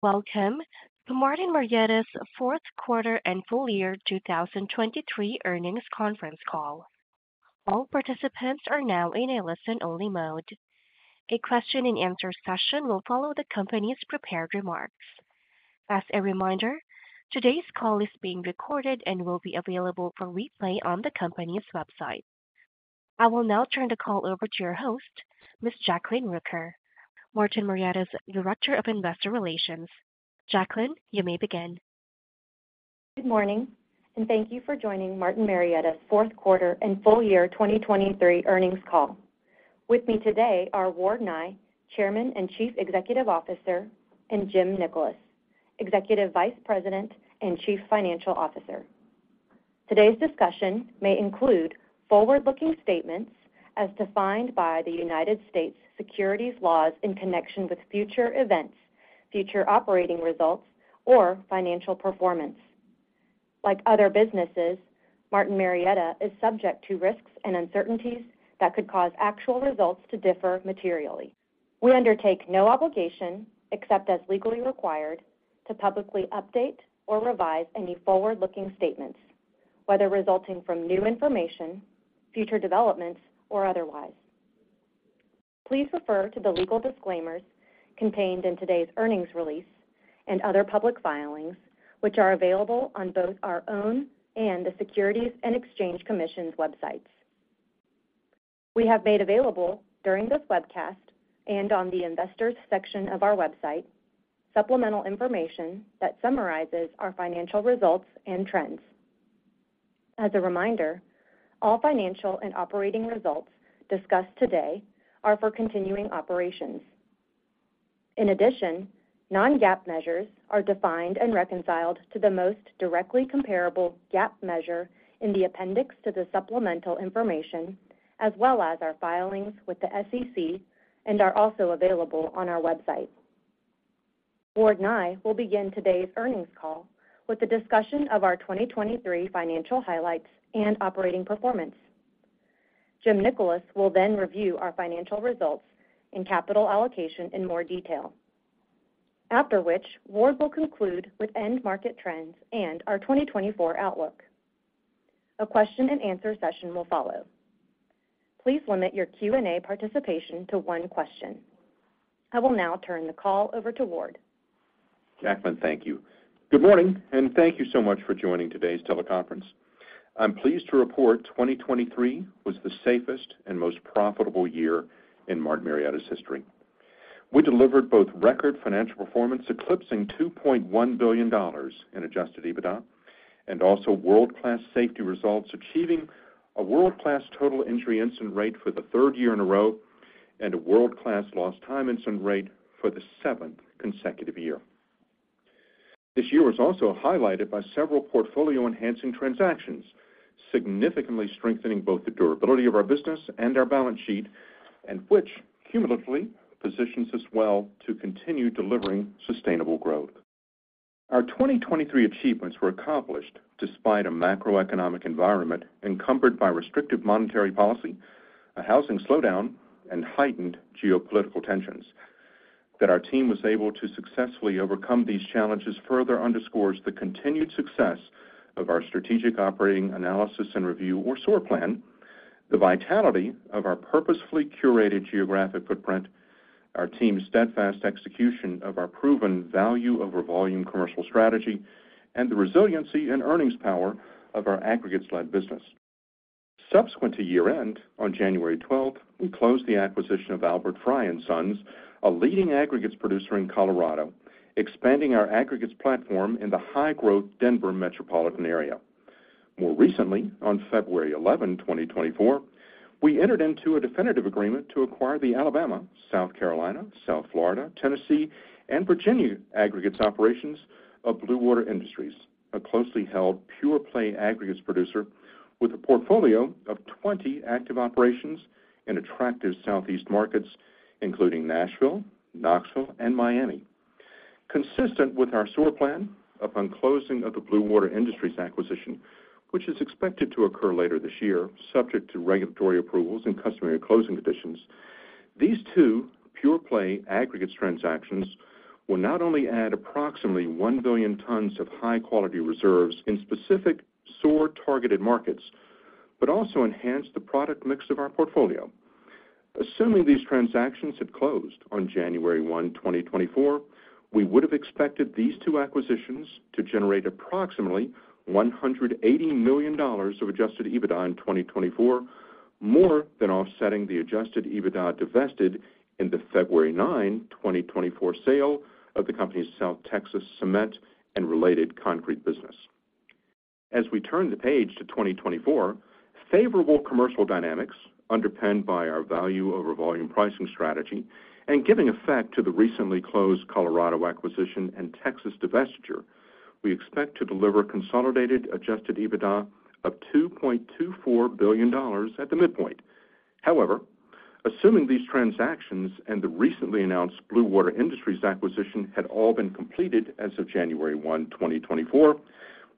Welcome to Martin Marietta's fourth quarter and full year 2023 earnings conference call. All participants are now in a listen-only mode. A question-and-answer session will follow the company's prepared remarks. As a reminder, today's call is being recorded and will be available for replay on the company's website. I will now turn the call over to your host, Ms. Jacklyn Rooker, Martin Marietta's Director of Investor Relations. Jacklyn, you may begin. Good morning, and thank you for joining Martin Marietta's fourth quarter and full year 2023 earnings call. With me today are Ward Nye, Chairman and Chief Executive Officer, and Jim Nickolas, Executive Vice President and Chief Financial Officer. Today's discussion may include forward-looking statements as defined by the United States' securities laws in connection with future events, future operating results, or financial performance. Like other businesses, Martin Marietta is subject to risks and uncertainties that could cause actual results to differ materially. We undertake no obligation, except as legally required, to publicly update or revise any forward-looking statements, whether resulting from new information, future developments, or otherwise. Please refer to the legal disclaimers contained in today's earnings release and other public filings, which are available on both our own and the Securities and Exchange Commission's websites. We have made available during this webcast and on the Investors section of our website supplemental information that summarizes our financial results and trends. As a reminder, all financial and operating results discussed today are for continuing operations. In addition, non-GAAP measures are defined and reconciled to the most directly comparable GAAP measure in the appendix to the supplemental information, as well as our filings with the SEC, and are also available on our website. Ward Nye, will begin today's earnings call with the discussion of our 2023 financial highlights and operating performance. Jim Nickolas will then review our financial results and capital allocation in more detail, after which Ward will conclude with end-market trends and our 2024 outlook. A question-and-answer session will follow. Please limit your Q&A participation to one question. I will now turn the call over to Ward. Jacklyn, thank you. Good morning, and thank you so much for joining today's teleconference. I'm pleased to report 2023 was the safest and most profitable year in Martin Marietta's history. We delivered both record financial performance eclipsing $2.1 billion in Adjusted EBITDA and also world-class safety results achieving a world-class total injury incident rate for the third year in a row and a world-class lost time incident rate for the seventh consecutive year. This year was also highlighted by several portfolio-enhancing transactions, significantly strengthening both the durability of our business and our balance sheet, and which cumulatively positions us well to continue delivering sustainable growth. Our 2023 achievements were accomplished despite a macroeconomic environment encumbered by restrictive monetary policy, a housing slowdown, and heightened geopolitical tensions. That our team was able to successfully overcome these challenges further underscores the continued success of our strategic operating analysis and review, or SOAR plan, the vitality of our purposefully curated geographic footprint, our team's steadfast execution of our proven value-over-volume commercial strategy, and the resiliency and earnings power of our aggregates-led business. Subsequent to year-end on January 12th, we closed the acquisition of Albert Frei & Sons, a leading aggregates producer in Colorado, expanding our aggregates platform in the high-growth Denver metropolitan area. More recently, on February 11th, 2024, we entered into a definitive agreement to acquire the Alabama, South Carolina, South Florida, Tennessee, and Virginia aggregates operations of Blue Water Industries, a closely held pure-play aggregates producer with a portfolio of 20 active operations in attractive Southeast markets, including Nashville, Knoxville, and Miami. Consistent with our SOAR plan upon closing of the Blue Water Industries acquisition, which is expected to occur later this year subject to regulatory approvals and customary closing conditions, these two pure-play aggregates transactions will not only add approximately 1 billion tons of high-quality reserves in specific SOAR-targeted markets but also enhance the product mix of our portfolio. Assuming these transactions had closed on January 1, 2024, we would have expected these two acquisitions to generate approximately $180 million of Adjusted EBITDA in 2024, more than offsetting the Adjusted EBITDA divested in the February 9, 2024, sale of the company's South Texas cement and related concrete business. As we turn the page to 2024, favorable commercial dynamics underpinned by our value-over-volume pricing strategy and giving effect to the recently closed Colorado acquisition and Texas divestiture, we expect to deliver consolidated Adjusted EBITDA of $2.24 billion at the midpoint. However, assuming these transactions and the recently announced Blue Water Industries acquisition had all been completed as of January 1, 2024,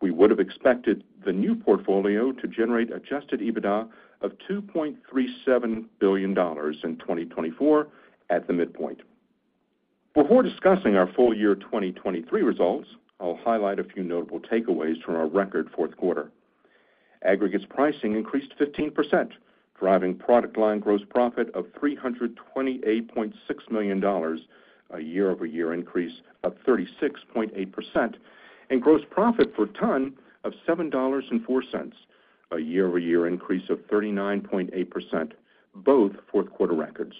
we would have expected the new portfolio to generate Adjusted EBITDA of $2.37 billion in 2024 at the midpoint. Before discussing our full year 2023 results, I'll highlight a few notable takeaways from our record fourth quarter. Aggregates pricing increased 15%, driving product line gross profit of $328.6 million, a year-over-year increase of 36.8%, and gross profit per ton of $7.04, a year-over-year increase of 39.8%, both fourth-quarter records.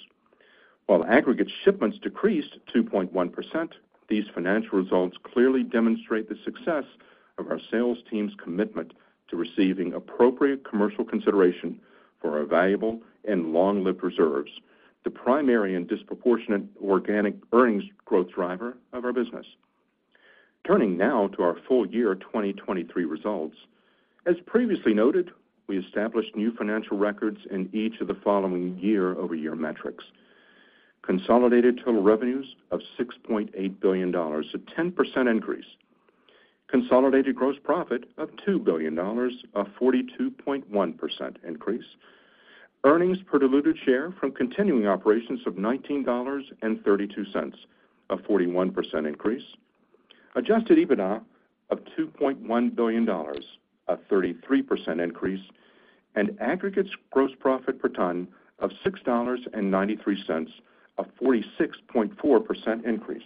While aggregate shipments decreased 2.1%, these financial results clearly demonstrate the success of our sales team's commitment to receiving appropriate commercial consideration for our valuable and long-lived reserves, the primary and disproportionate organic earnings growth driver of our business. Turning now to our full year 2023 results. As previously noted, we established new financial records in each of the following year-over-year metrics: consolidated total revenues of $6.8 billion, a 10% increase; consolidated gross profit of $2 billion, a 42.1% increase; earnings per diluted share from continuing operations of $19.32, a 41% increase; adjusted EBITDA of $2.1 billion, a 33% increase; and aggregates gross profit per ton of $6.93, a 46.4% increase.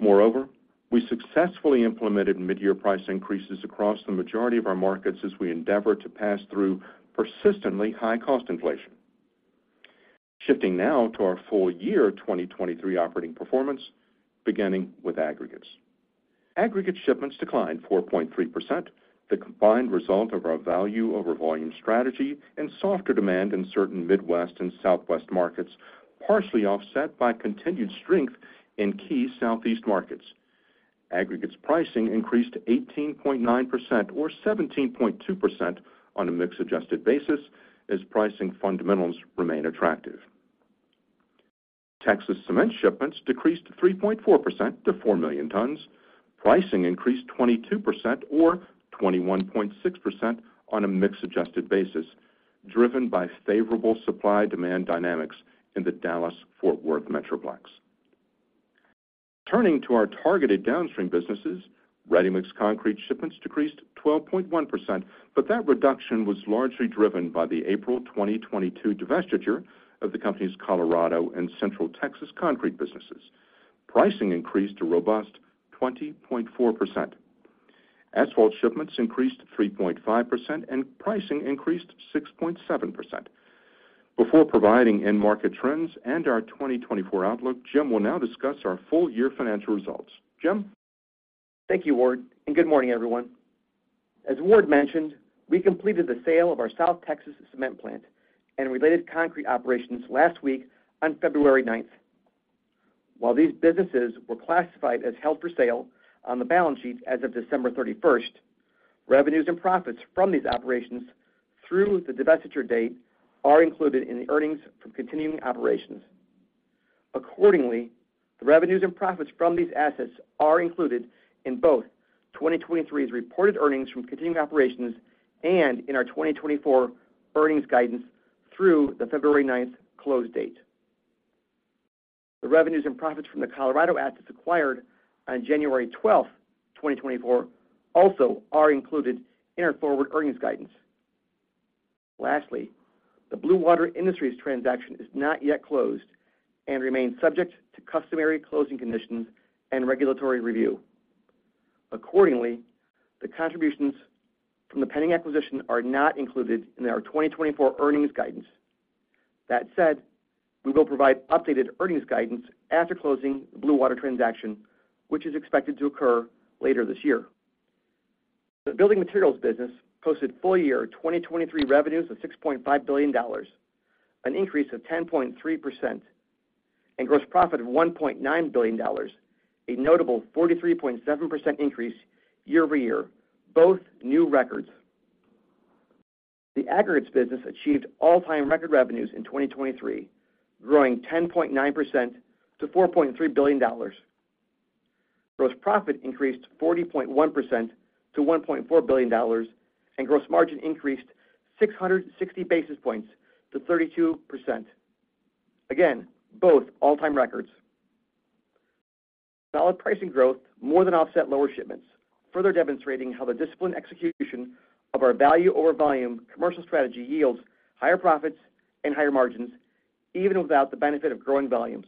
Moreover, we successfully implemented mid-year price increases across the majority of our markets as we endeavor to pass through persistently high-cost inflation. Shifting now to our full year 2023 operating performance, beginning with aggregates. Aggregate shipments declined 4.3%, the combined result of our value-over-volume strategy and softer demand in certain Midwest and Southwest markets, partially offset by continued strength in key Southeast markets. Aggregates pricing increased 18.9% or 17.2% on a mixed-adjusted basis as pricing fundamentals remain attractive. Texas cement shipments decreased 3.4% to 4 million tons. Pricing increased 22% or 21.6% on a mix-adjusted basis, driven by favorable supply-demand dynamics in the Dallas-Fort Worth metroplex. Turning to our targeted downstream businesses, ready-mix concrete shipments decreased 12.1%, but that reduction was largely driven by the April 2022 divestiture of the company's Colorado and Central Texas concrete businesses. Pricing increased a robust 20.4%. Asphalt shipments increased 3.5%, and pricing increased 6.7%. Before providing end-market trends and our 2024 outlook, Jim will now discuss our full year financial results. Jim? Thank you, Ward, and good morning, everyone. As Ward mentioned, we completed the sale of our South Texas cement plant and related concrete operations last week on February 9th. While these businesses were classified as held for sale on the balance sheet as of December 31st, revenues and profits from these operations through the divestiture date are included in the earnings from continuing operations. Accordingly, the revenues and profits from these assets are included in both 2023's reported earnings from continuing operations and in our 2024 earnings guidance through the February 9th close date. The revenues and profits from the Colorado assets acquired on January 12th, 2024, also are included in our forward earnings guidance. Lastly, the Blue Water Industries transaction is not yet closed and remains subject to customary closing conditions and regulatory review. Accordingly, the contributions from the pending acquisition are not included in our 2024 earnings guidance. That said, we will provide updated earnings guidance after closing the Blue Water transaction, which is expected to occur later this year. The building materials business posted full year 2023 revenues of $6.5 billion, an increase of 10.3%, and gross profit of $1.9 billion, a notable 43.7% increase year-over-year, both new records. The aggregates business achieved all-time record revenues in 2023, growing 10.9% to $4.3 billion. Gross profit increased 40.1% to $1.4 billion, and gross margin increased 660 basis points to 32%. Again, both all-time records. Solid pricing growth more than offset lower shipments, further demonstrating how the disciplined execution of our value-over-volume commercial strategy yields higher profits and higher margins even without the benefit of growing volumes.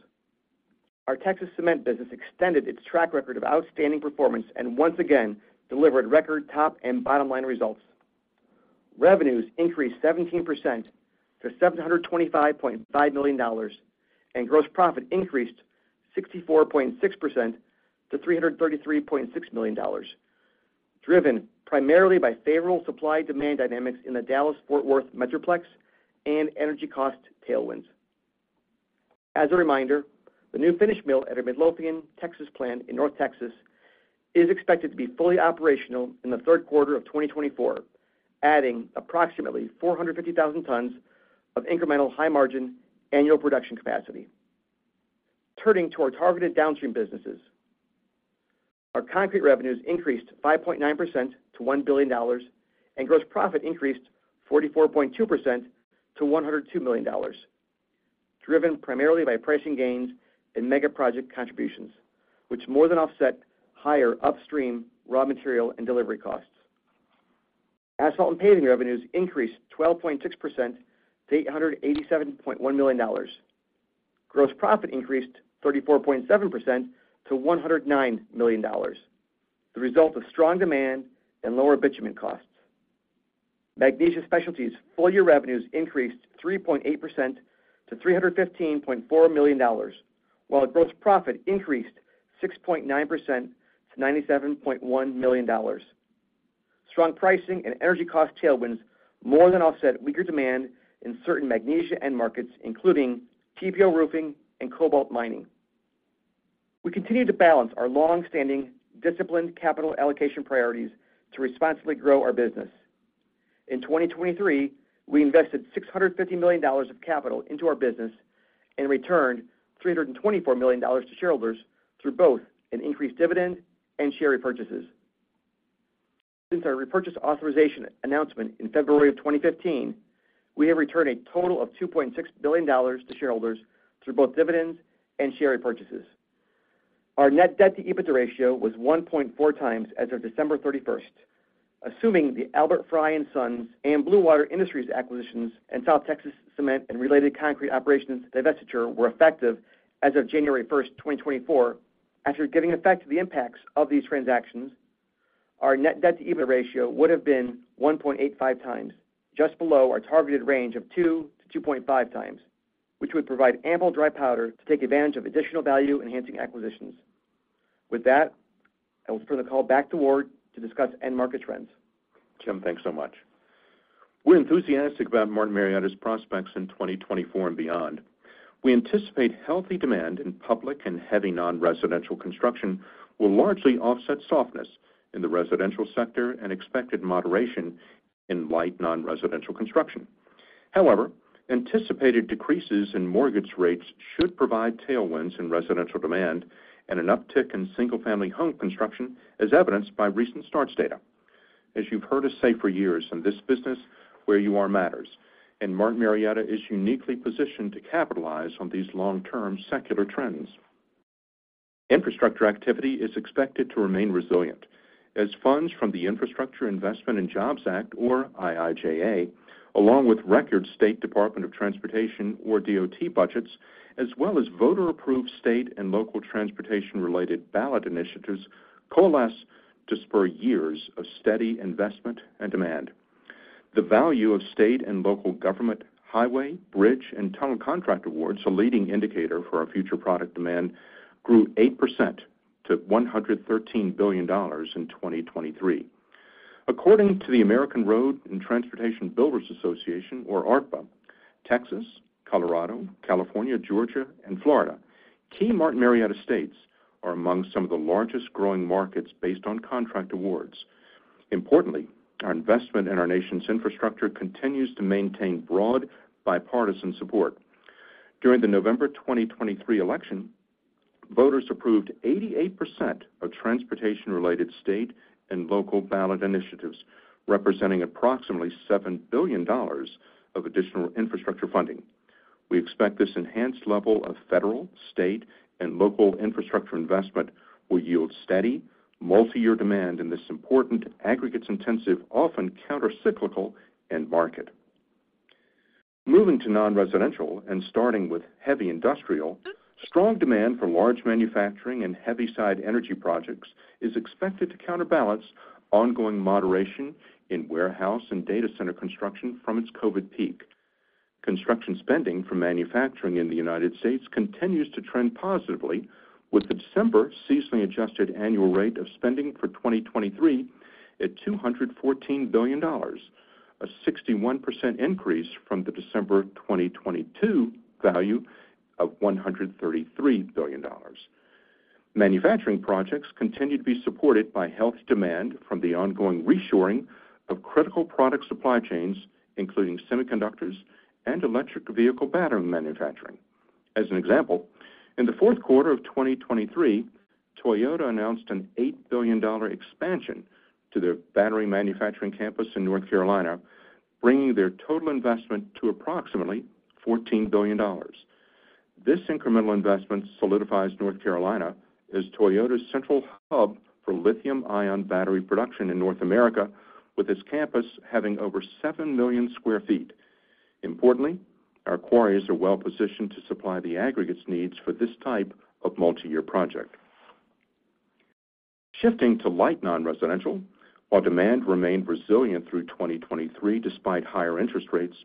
Our Texas cement business extended its track record of outstanding performance and once again delivered record top and bottom-line results. Revenues increased 17% to $725.5 million, and gross profit increased 64.6% to $333.6 million, driven primarily by favorable supply-demand dynamics in the Dallas-Fort Worth metroplex and energy cost tailwinds. As a reminder, the new finish mill at our Midlothian, Texas plant in North Texas is expected to be fully operational in the third quarter of 2024, adding approximately 450,000 tons of incremental high-margin annual production capacity. Turning to our targeted downstream businesses. Our concrete revenues increased 5.9% to $1 billion, and gross profit increased 44.2% to $102 million, driven primarily by pricing gains and mega-project contributions, which more than offset higher upstream raw material and delivery costs. Asphalt and paving revenues increased 12.6% to $887.1 million. Gross profit increased 34.7% to $109 million, the result of strong demand and lower bitumen costs. Magnesia Specialties full-year revenues increased 3.8% to $315.4 million, while gross profit increased 6.9% to $97.1 million. Strong pricing and energy cost tailwinds more than offset weaker demand in certain Magnesia end markets, including TPO roofing and cobalt mining. We continue to balance our longstanding disciplined capital allocation priorities to responsibly grow our business. In 2023, we invested $650 million of capital into our business and returned $324 million to shareholders through both an increased dividend and share repurchases. Since our repurchase authorization announcement in February of 2015, we have returned a total of $2.6 billion to shareholders through both dividends and share repurchases. Our Net Debt-to-EBITDA ratio was 1.4x as of December 31st. Assuming the Albert Frei & Sons and Blue Water Industries acquisitions and South Texas cement and related concrete operations divestiture were effective as of January 1st, 2024, after giving effect to the impacts of these transactions, our net debt-to-EBITDA ratio would have been 1.85x, just below our targeted range of 2-2.5 times, which would provide ample dry powder to take advantage of additional value-enhancing acquisitions. With that, I will turn the call back to Ward to discuss end-market trends. Jim, thanks so much. We're enthusiastic about Martin Marietta's prospects in 2024 and beyond. We anticipate healthy demand in public and heavy non-residential construction will largely offset softness in the residential sector and expected moderation in light non-residential construction. However, anticipated decreases in mortgage rates should provide tailwinds in residential demand and an uptick in single-family home construction, as evidenced by recent starts data. As you've heard us say for years, in this business, where you are matters, and Martin Marietta is uniquely positioned to capitalize on these long-term secular trends. Infrastructure activity is expected to remain resilient, as funds from the Infrastructure Investment and Jobs Act, or IIJA, along with record State Department of Transportation, or DOT, budgets, as well as voter-approved state and local transportation-related ballot initiatives, coalesce to spur years of steady investment and demand. The value of state and local government highway, bridge, and tunnel contract awards, a leading indicator for our future product demand, grew 8% to $113 billion in 2023. According to the American Road and Transportation Builders Association, or ARTBA, Texas, Colorado, California, Georgia, and Florida, key Martin Marietta states are among some of the largest growing markets based on contract awards. Importantly, our investment in our nation's infrastructure continues to maintain broad bipartisan support. During the November 2023 election, voters approved 88% of transportation-related state and local ballot initiatives, representing approximately $7 billion of additional infrastructure funding. We expect this enhanced level of federal, state, and local infrastructure investment will yield steady, multi-year demand in this important, aggregates-intensive, often countercyclical end market. Moving to non-residential and starting with heavy industrial, strong demand for large manufacturing and heavyside energy projects is expected to counterbalance ongoing moderation in warehouse and data center construction from its COVID peak. Construction spending for manufacturing in the United States continues to trend positively, with the December seasonally adjusted annual rate of spending for 2023 at $214 billion, a 61% increase from the December 2022 value of $133 billion. Manufacturing projects continue to be supported by healthy demand from the ongoing reshoring of critical product supply chains, including semiconductors and electric vehicle battery manufacturing. As an example, in the fourth quarter of 2023, Toyota announced an $8 billion expansion to their battery manufacturing campus in North Carolina, bringing their total investment to approximately $14 billion. This incremental investment solidifies North Carolina as Toyota's central hub for lithium-ion battery production in North America, with its campus having over 7 million sq ft. Importantly, our quarries are well-positioned to supply the aggregates needs for this type of multi-year project. Shifting to light non-residential. While demand remained resilient through 2023 despite higher interest rates,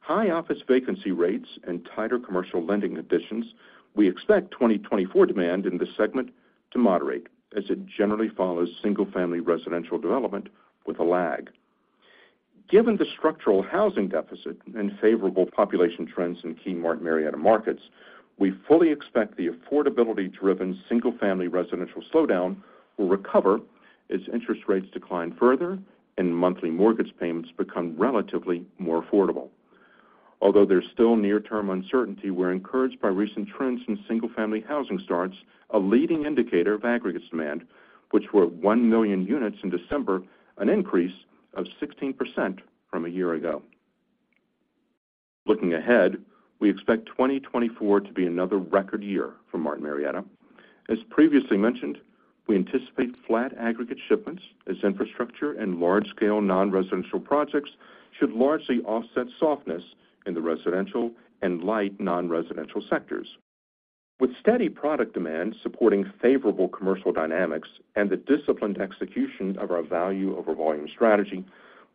high office vacancy rates, and tighter commercial lending conditions, we expect 2024 demand in this segment to moderate, as it generally follows single-family residential development with a lag. Given the structural housing deficit and favorable population trends in key Martin Marietta markets, we fully expect the affordability-driven single-family residential slowdown will recover as interest rates decline further and monthly mortgage payments become relatively more affordable. Although there's still near-term uncertainty, we're encouraged by recent trends in single-family housing starts, a leading indicator of aggregates demand, which were 1 million units in December, an increase of 16% from a year ago. Looking ahead, we expect 2024 to be another record year for Martin Marietta. As previously mentioned, we anticipate flat aggregate shipments, as infrastructure and large-scale non-residential projects should largely offset softness in the residential and light non-residential sectors. With steady product demand supporting favorable commercial dynamics and the disciplined execution of our value-over-volume strategy,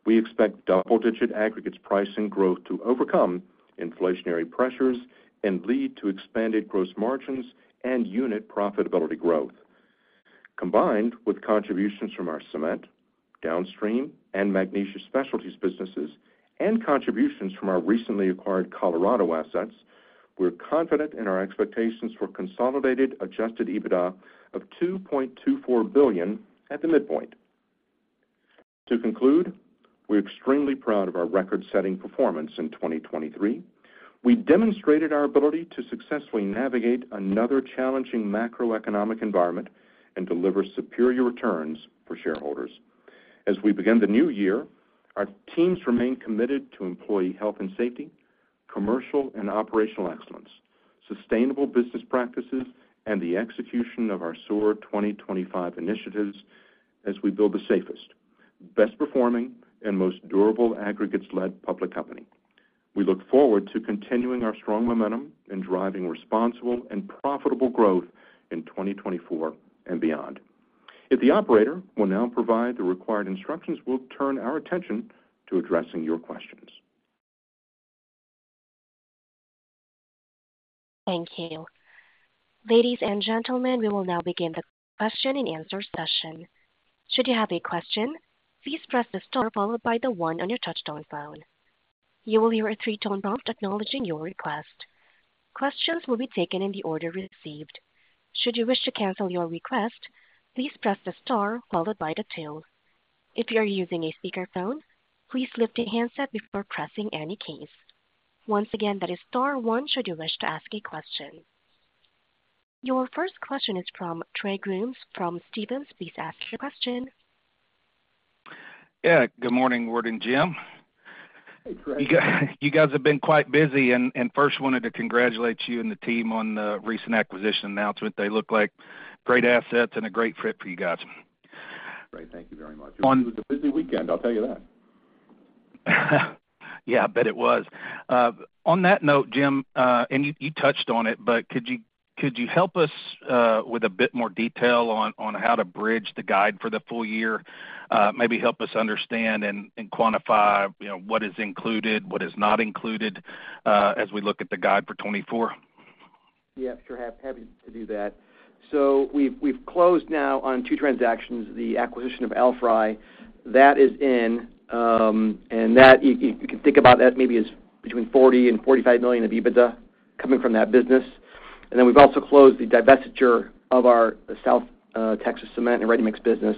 we expect double-digit aggregates pricing growth to overcome inflationary pressures and lead to expanded gross margins and unit profitability growth. Combined with contributions from our cement downstream and Magnesia Specialties businesses and contributions from our recently acquired Colorado assets, we're confident in our expectations for consolidated Adjusted EBITDA of $2.24 billion at the midpoint. To conclude, we're extremely proud of our record-setting performance in 2023. We demonstrated our ability to successfully navigate another challenging macroeconomic environment and deliver superior returns for shareholders. As we begin the new year, our teams remain committed to employee health and safety, commercial and operational excellence, sustainable business practices, and the execution of our SOAR 2025 initiatives as we build the safest, best-performing, and most durable aggregates-led public company. We look forward to continuing our strong momentum and driving responsible and profitable growth in 2024 and beyond. If the operator will now provide the required instructions, we'll turn our attention to addressing your questions. Thank you. Ladies and gentlemen, we will now begin the question-and-answer session. Should you have a question, please press the star followed by the one on your touch-tone phone. You will hear a three-tone prompt acknowledging your request. Questions will be taken in the order received. Should you wish to cancel your request, please press the star followed by the two. If you are using a speakerphone, please lift the handset before pressing any keys. Once again, that is star one should you wish to ask a question. Your first question is from Trey Grooms from Stephens. Please ask your question. Yeah. Good morning, Ward and Jim. You guys have been quite busy and first wanted to congratulate you and the team on the recent acquisition announcement. They look like great assets and a great fit for you guys. Great. Thank you very much. It was a busy weekend. I'll tell you that. Yeah. I bet it was. On that note, Jim, and you touched on it, but could you help us with a bit more detail on how to bridge the guide for the full year? Maybe help us understand and quantify what is included, what is not included, as we look at the guide for 2024. Yeah. Sure. Happy to do that. So we've closed now on two transactions, the acquisition of Albert Frei. That is in, and you can think about that maybe as between $40 million and $45 million of EBITDA coming from that business. And then we've also closed the divestiture of our South Texas cement and ready-mix business.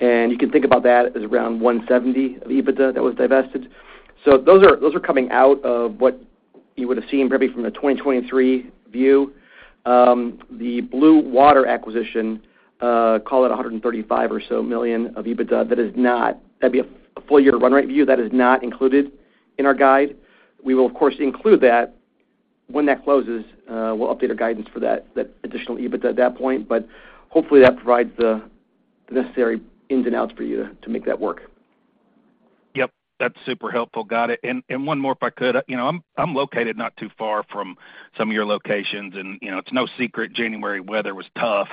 And you can think about that as around $170 million of EBITDA that was divested. So those are coming out of what you would have seen probably from a 2023 view. The Blue Water acquisition, call it $135 million or so of EBITDA, that'd be a full-year run-rate view. That is not included in our guide. We will, of course, include that. When that closes, we'll update our guidance for that additional EBITDA at that point. But hopefully, that provides the necessary ins and outs for you to make that work. Yep. That's super helpful. Got it. And one more, if I could. I'm located not too far from some of your locations, and it's no secret January weather was tough,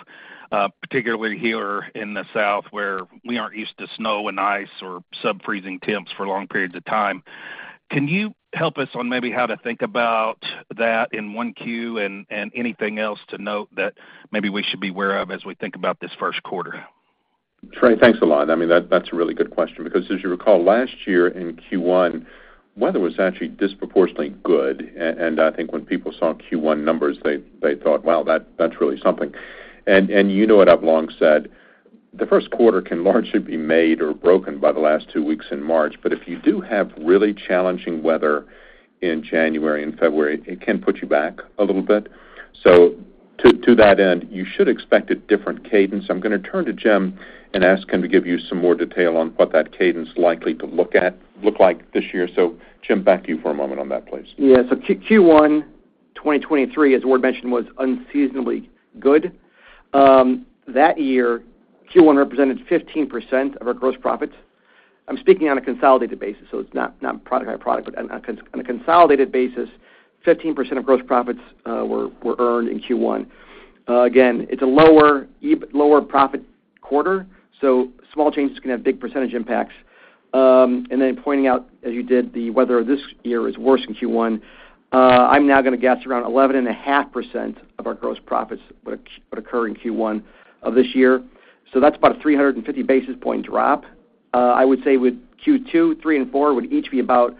particularly here in the south where we aren't used to snow and ice or subfreezing temps for long periods of time. Can you help us on maybe how to think about that in Q1 and anything else to note that maybe we should be aware of as we think about this first quarter? Frank, thanks a lot. I mean, that's a really good question because, as you recall, last year in Q1, weather was actually disproportionately good. I think when people saw Q1 numbers, they thought, "Wow, that's really something." You know what I've long said? The first quarter can largely be made or broken by the last two weeks in March. If you do have really challenging weather in January and February, it can put you back a little bit. To that end, you should expect a different cadence. I'm going to turn to Jim and ask him to give you some more detail on what that cadence is likely to look like this year. Jim, back to you for a moment on that, please. Yeah. So Q1 2023, as Ward mentioned, was unseasonably good. That year, Q1 represented 15% of our gross profits. I'm speaking on a consolidated basis, so it's not product-by-product, but on a consolidated basis, 15% of gross profits were earned in Q1. Again, it's a lower-profit quarter, so small changes can have big percentage impacts. And then pointing out, as you did, the weather this year is worse in Q1. I'm now going to guess around 11.5% of our gross profits would occur in Q1 of this year. So that's about a 350 basis point drop. I would say with Q2, 3, and 4, would each be about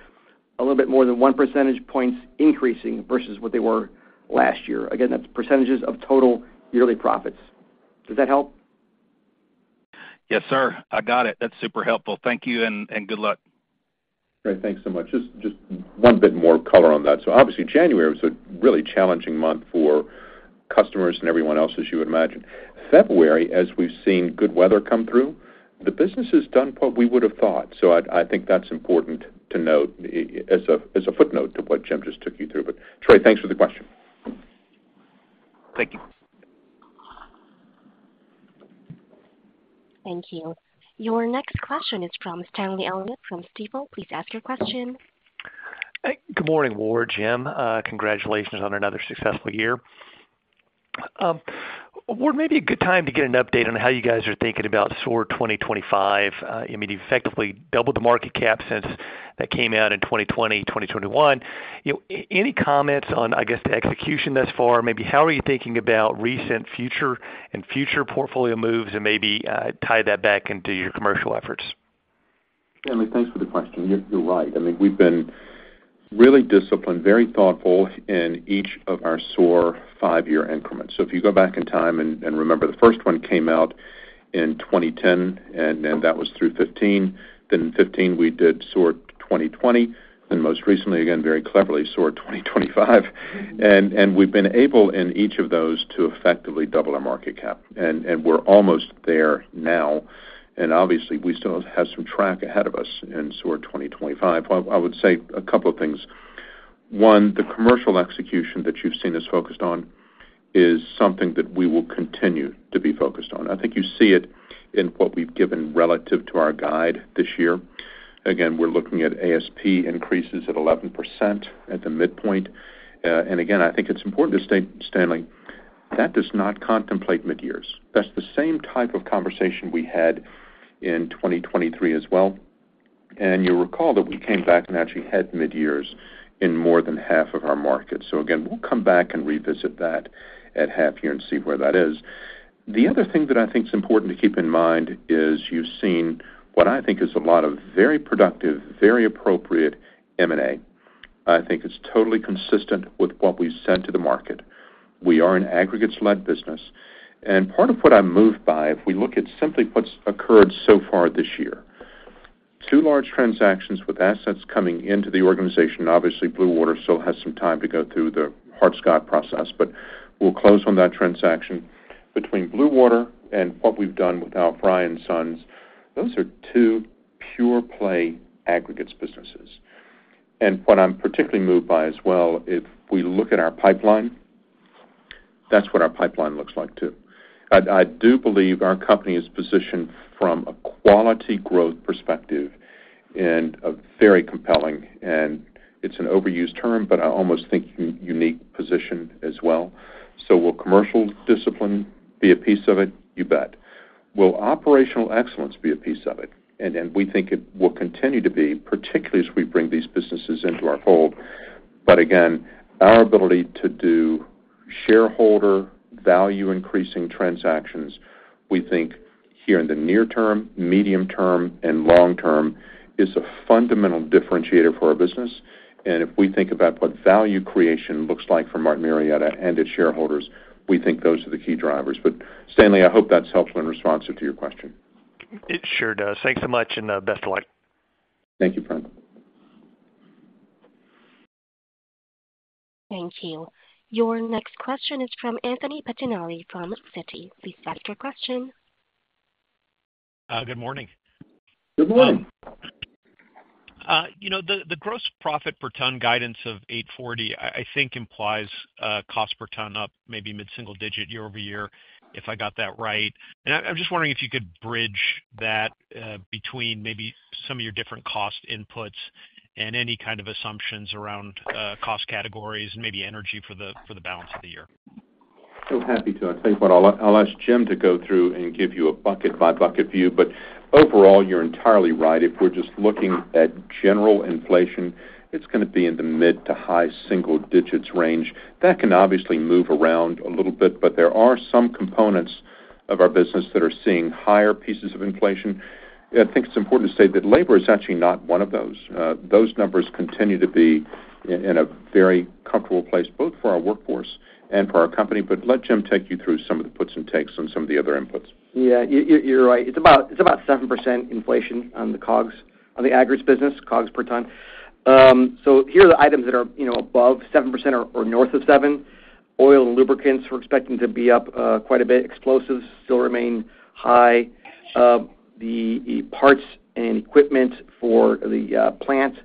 a little bit more than 1 percentage point increasing versus what they were last year. Again, that's percentages of total yearly profits. Does that help? Yes, sir. I got it. That's super helpful. Thank you and good luck. Great. Thanks so much. Just one bit more color on that. So obviously, January was a really challenging month for customers and everyone else, as you would imagine. February, as we've seen good weather come through, the business has done what we would have thought. So I think that's important to note as a footnote to what Jim just took you through. But, Trey, thanks for the question. Thank you. Thank you. Your next question is from Stanley Elliott from Stifel. Please ask your question. Good morning, Ward, Jim. Congratulations on another successful year. Ward, maybe a good time to get an update on how you guys are thinking about SOAR 2025. I mean, you've effectively doubled the market cap since that came out in 2020, 2021. Any comments on, I guess, the execution thus far? Maybe how are you thinking about recent, future, and future portfolio moves and maybe tie that back into your commercial efforts? Stanley, thanks for the question. You're right. I mean, we've been really disciplined, very thoughtful in each of our SOAR five-year increments. So if you go back in time and remember, the first one came out in 2010, and then that was through 2015. Then in 2015, we did SOAR 2020. Then most recently, again, very cleverly, SOAR 2025. And we've been able in each of those to effectively double our market cap. And we're almost there now. And obviously, we still have some track ahead of us in SOAR 2025. I would say a couple of things. One, the commercial execution that you've seen us focused on is something that we will continue to be focused on. I think you see it in what we've given relative to our guide this year. Again, we're looking at ASP increases at 11% at the midpoint. Again, I think it's important to state, Stanley, that does not contemplate midyears. That's the same type of conversation we had in 2023 as well. You recall that we came back and actually had midyears in more than half of our markets. Again, we'll come back and revisit that at half-year and see where that is. The other thing that I think is important to keep in mind is you've seen what I think is a lot of very productive, very appropriate M&A. I think it's totally consistent with what we've said to the market. We are an aggregates-led business. Part of what I'm moved by, if we look at simply what's occurred so far this year, two large transactions with assets coming into the organization. Obviously, Blue Water still has some time to go through the Hart-Scott process, but we'll close on that transaction. Between Blue Water and what we've done with Albert Frei & Sons, those are two pure-play aggregates businesses. What I'm particularly moved by as well, if we look at our pipeline, that's what our pipeline looks like too. I do believe our company is positioned from a quality growth perspective and a very compelling and it's an overused term, but I almost think unique position as well. So will commercial discipline be a piece of it? You bet. Will operational excellence be a piece of it? And we think it will continue to be, particularly as we bring these businesses into our fold. But again, our ability to do shareholder value-increasing transactions, we think here in the near term, medium term, and long term, is a fundamental differentiator for our business. If we think about what value creation looks like for Martin Marietta and its shareholders, we think those are the key drivers. But, Stanley, I hope that's helpful in response to your question. It sure does. Thanks so much and best of luck. Thank you, Friend. Thank you. Your next question is from Anthony Pettinari from Citi. Please ask your question. Good morning. Good morning. The gross profit per ton guidance of 840, I think, implies cost per ton up maybe mid-single digit year-over-year, if I got that right. I'm just wondering if you could bridge that between maybe some of your different cost inputs and any kind of assumptions around cost categories and maybe energy for the balance of the year. So happy to. I'll tell you what, I'll ask Jim to go through and give you a bucket-by-bucket view. But overall, you're entirely right. If we're just looking at general inflation, it's going to be in the mid- to high-single-digits range. That can obviously move around a little bit, but there are some components of our business that are seeing higher pieces of inflation. I think it's important to say that labor is actually not one of those. Those numbers continue to be in a very comfortable place, both for our workforce and for our company. But let Jim take you through some of the puts and takes on some of the other inputs. Yeah. You're right. It's about 7% inflation on the COGS, on the aggregates business, COGS per ton. So here are the items that are above 7% or north of 7. Oil and lubricants, we're expecting to be up quite a bit. Explosives still remain high. The parts and equipment for the plants,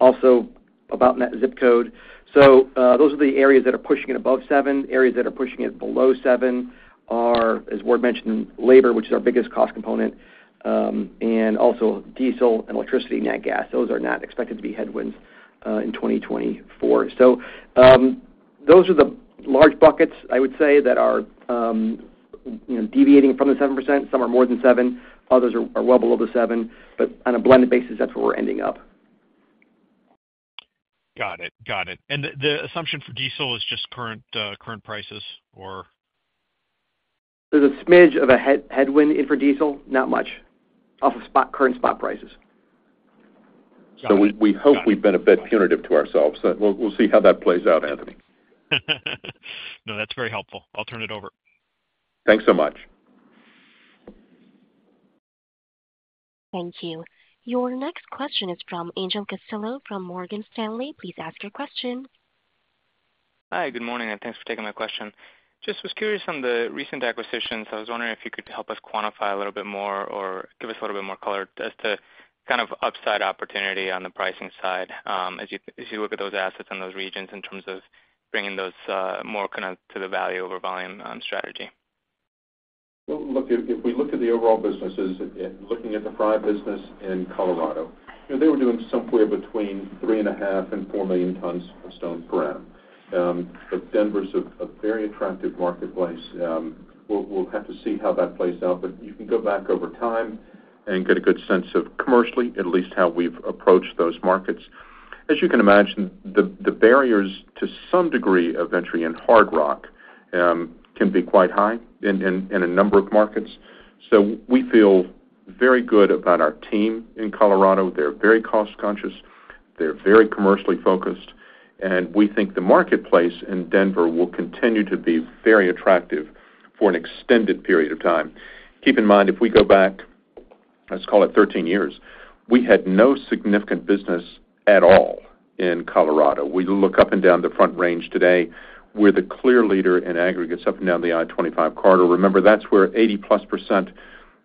also about net zip code. So those are the areas that are pushing it above seven. Areas that are pushing it below seven are, as Ward mentioned, labor, which is our biggest cost component, and also diesel and electricity, natural gas. Those are not expected to be headwinds in 2024. So those are the large buckets, I would say, that are deviating from the 7%. Some are more than seven. Others are well below the seven. But on a blended basis, that's where we're ending up. Got it. Got it. The assumption for diesel is just current prices, or? There's a smidge of a headwind in for diesel, not much, off of current spot prices. We hope we've been a bit punitive to ourselves. We'll see how that plays out, Anthony. No, that's very helpful. I'll turn it over. Thanks so much. Thank you. Your next question is from Angel Castillo from Morgan Stanley. Please ask your question. Hi. Good morning. Thanks for taking my question. Just was curious on the recent acquisitions. I was wondering if you could help us quantify a little bit more or give us a little bit more color as to kind of upside opportunity on the pricing side as you look at those assets in those regions in terms of bringing those more kind of to the value-over-volume strategy. Well, look, if we look at the overall businesses, looking at the Frei business in Colorado, they were doing somewhere between 3.5-4 million tons of stone per annum. But Denver's a very attractive marketplace. We'll have to see how that plays out. But you can go back over time and get a good sense of commercially, at least how we've approached those markets. As you can imagine, the barriers to some degree of entry in hard rock can be quite high in a number of markets. So we feel very good about our team in Colorado. They're very cost-conscious. They're very commercially focused. And we think the marketplace in Denver will continue to be very attractive for an extended period of time. Keep in mind, if we go back, let's call it 13 years, we had no significant business at all in Colorado. We look up and down the Front Range today. We're the clear leader in aggregates up and down the I-25 corridor. Remember, that's where 80%+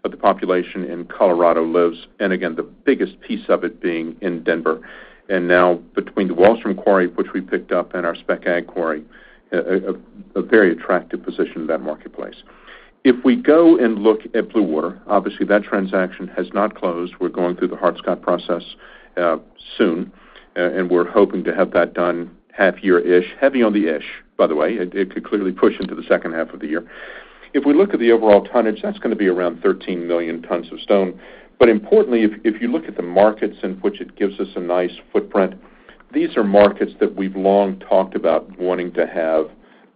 of the population in Colorado lives. And again, the biggest piece of it being in Denver. And now between the Walstrum Quarry, which we picked up, and our Spec Agg Quarry, a very attractive position in that marketplace. If we go and look at Blue Water, obviously, that transaction has not closed. We're going through the Hart-Scott process soon. And we're hoping to have that done half-year-ish, heavy on the-ish, by the way. It could clearly push into the second half of the year. If we look at the overall tonnage, that's going to be around 13 million tons of stone. But importantly, if you look at the markets in which it gives us a nice footprint, these are markets that we've long talked about wanting to have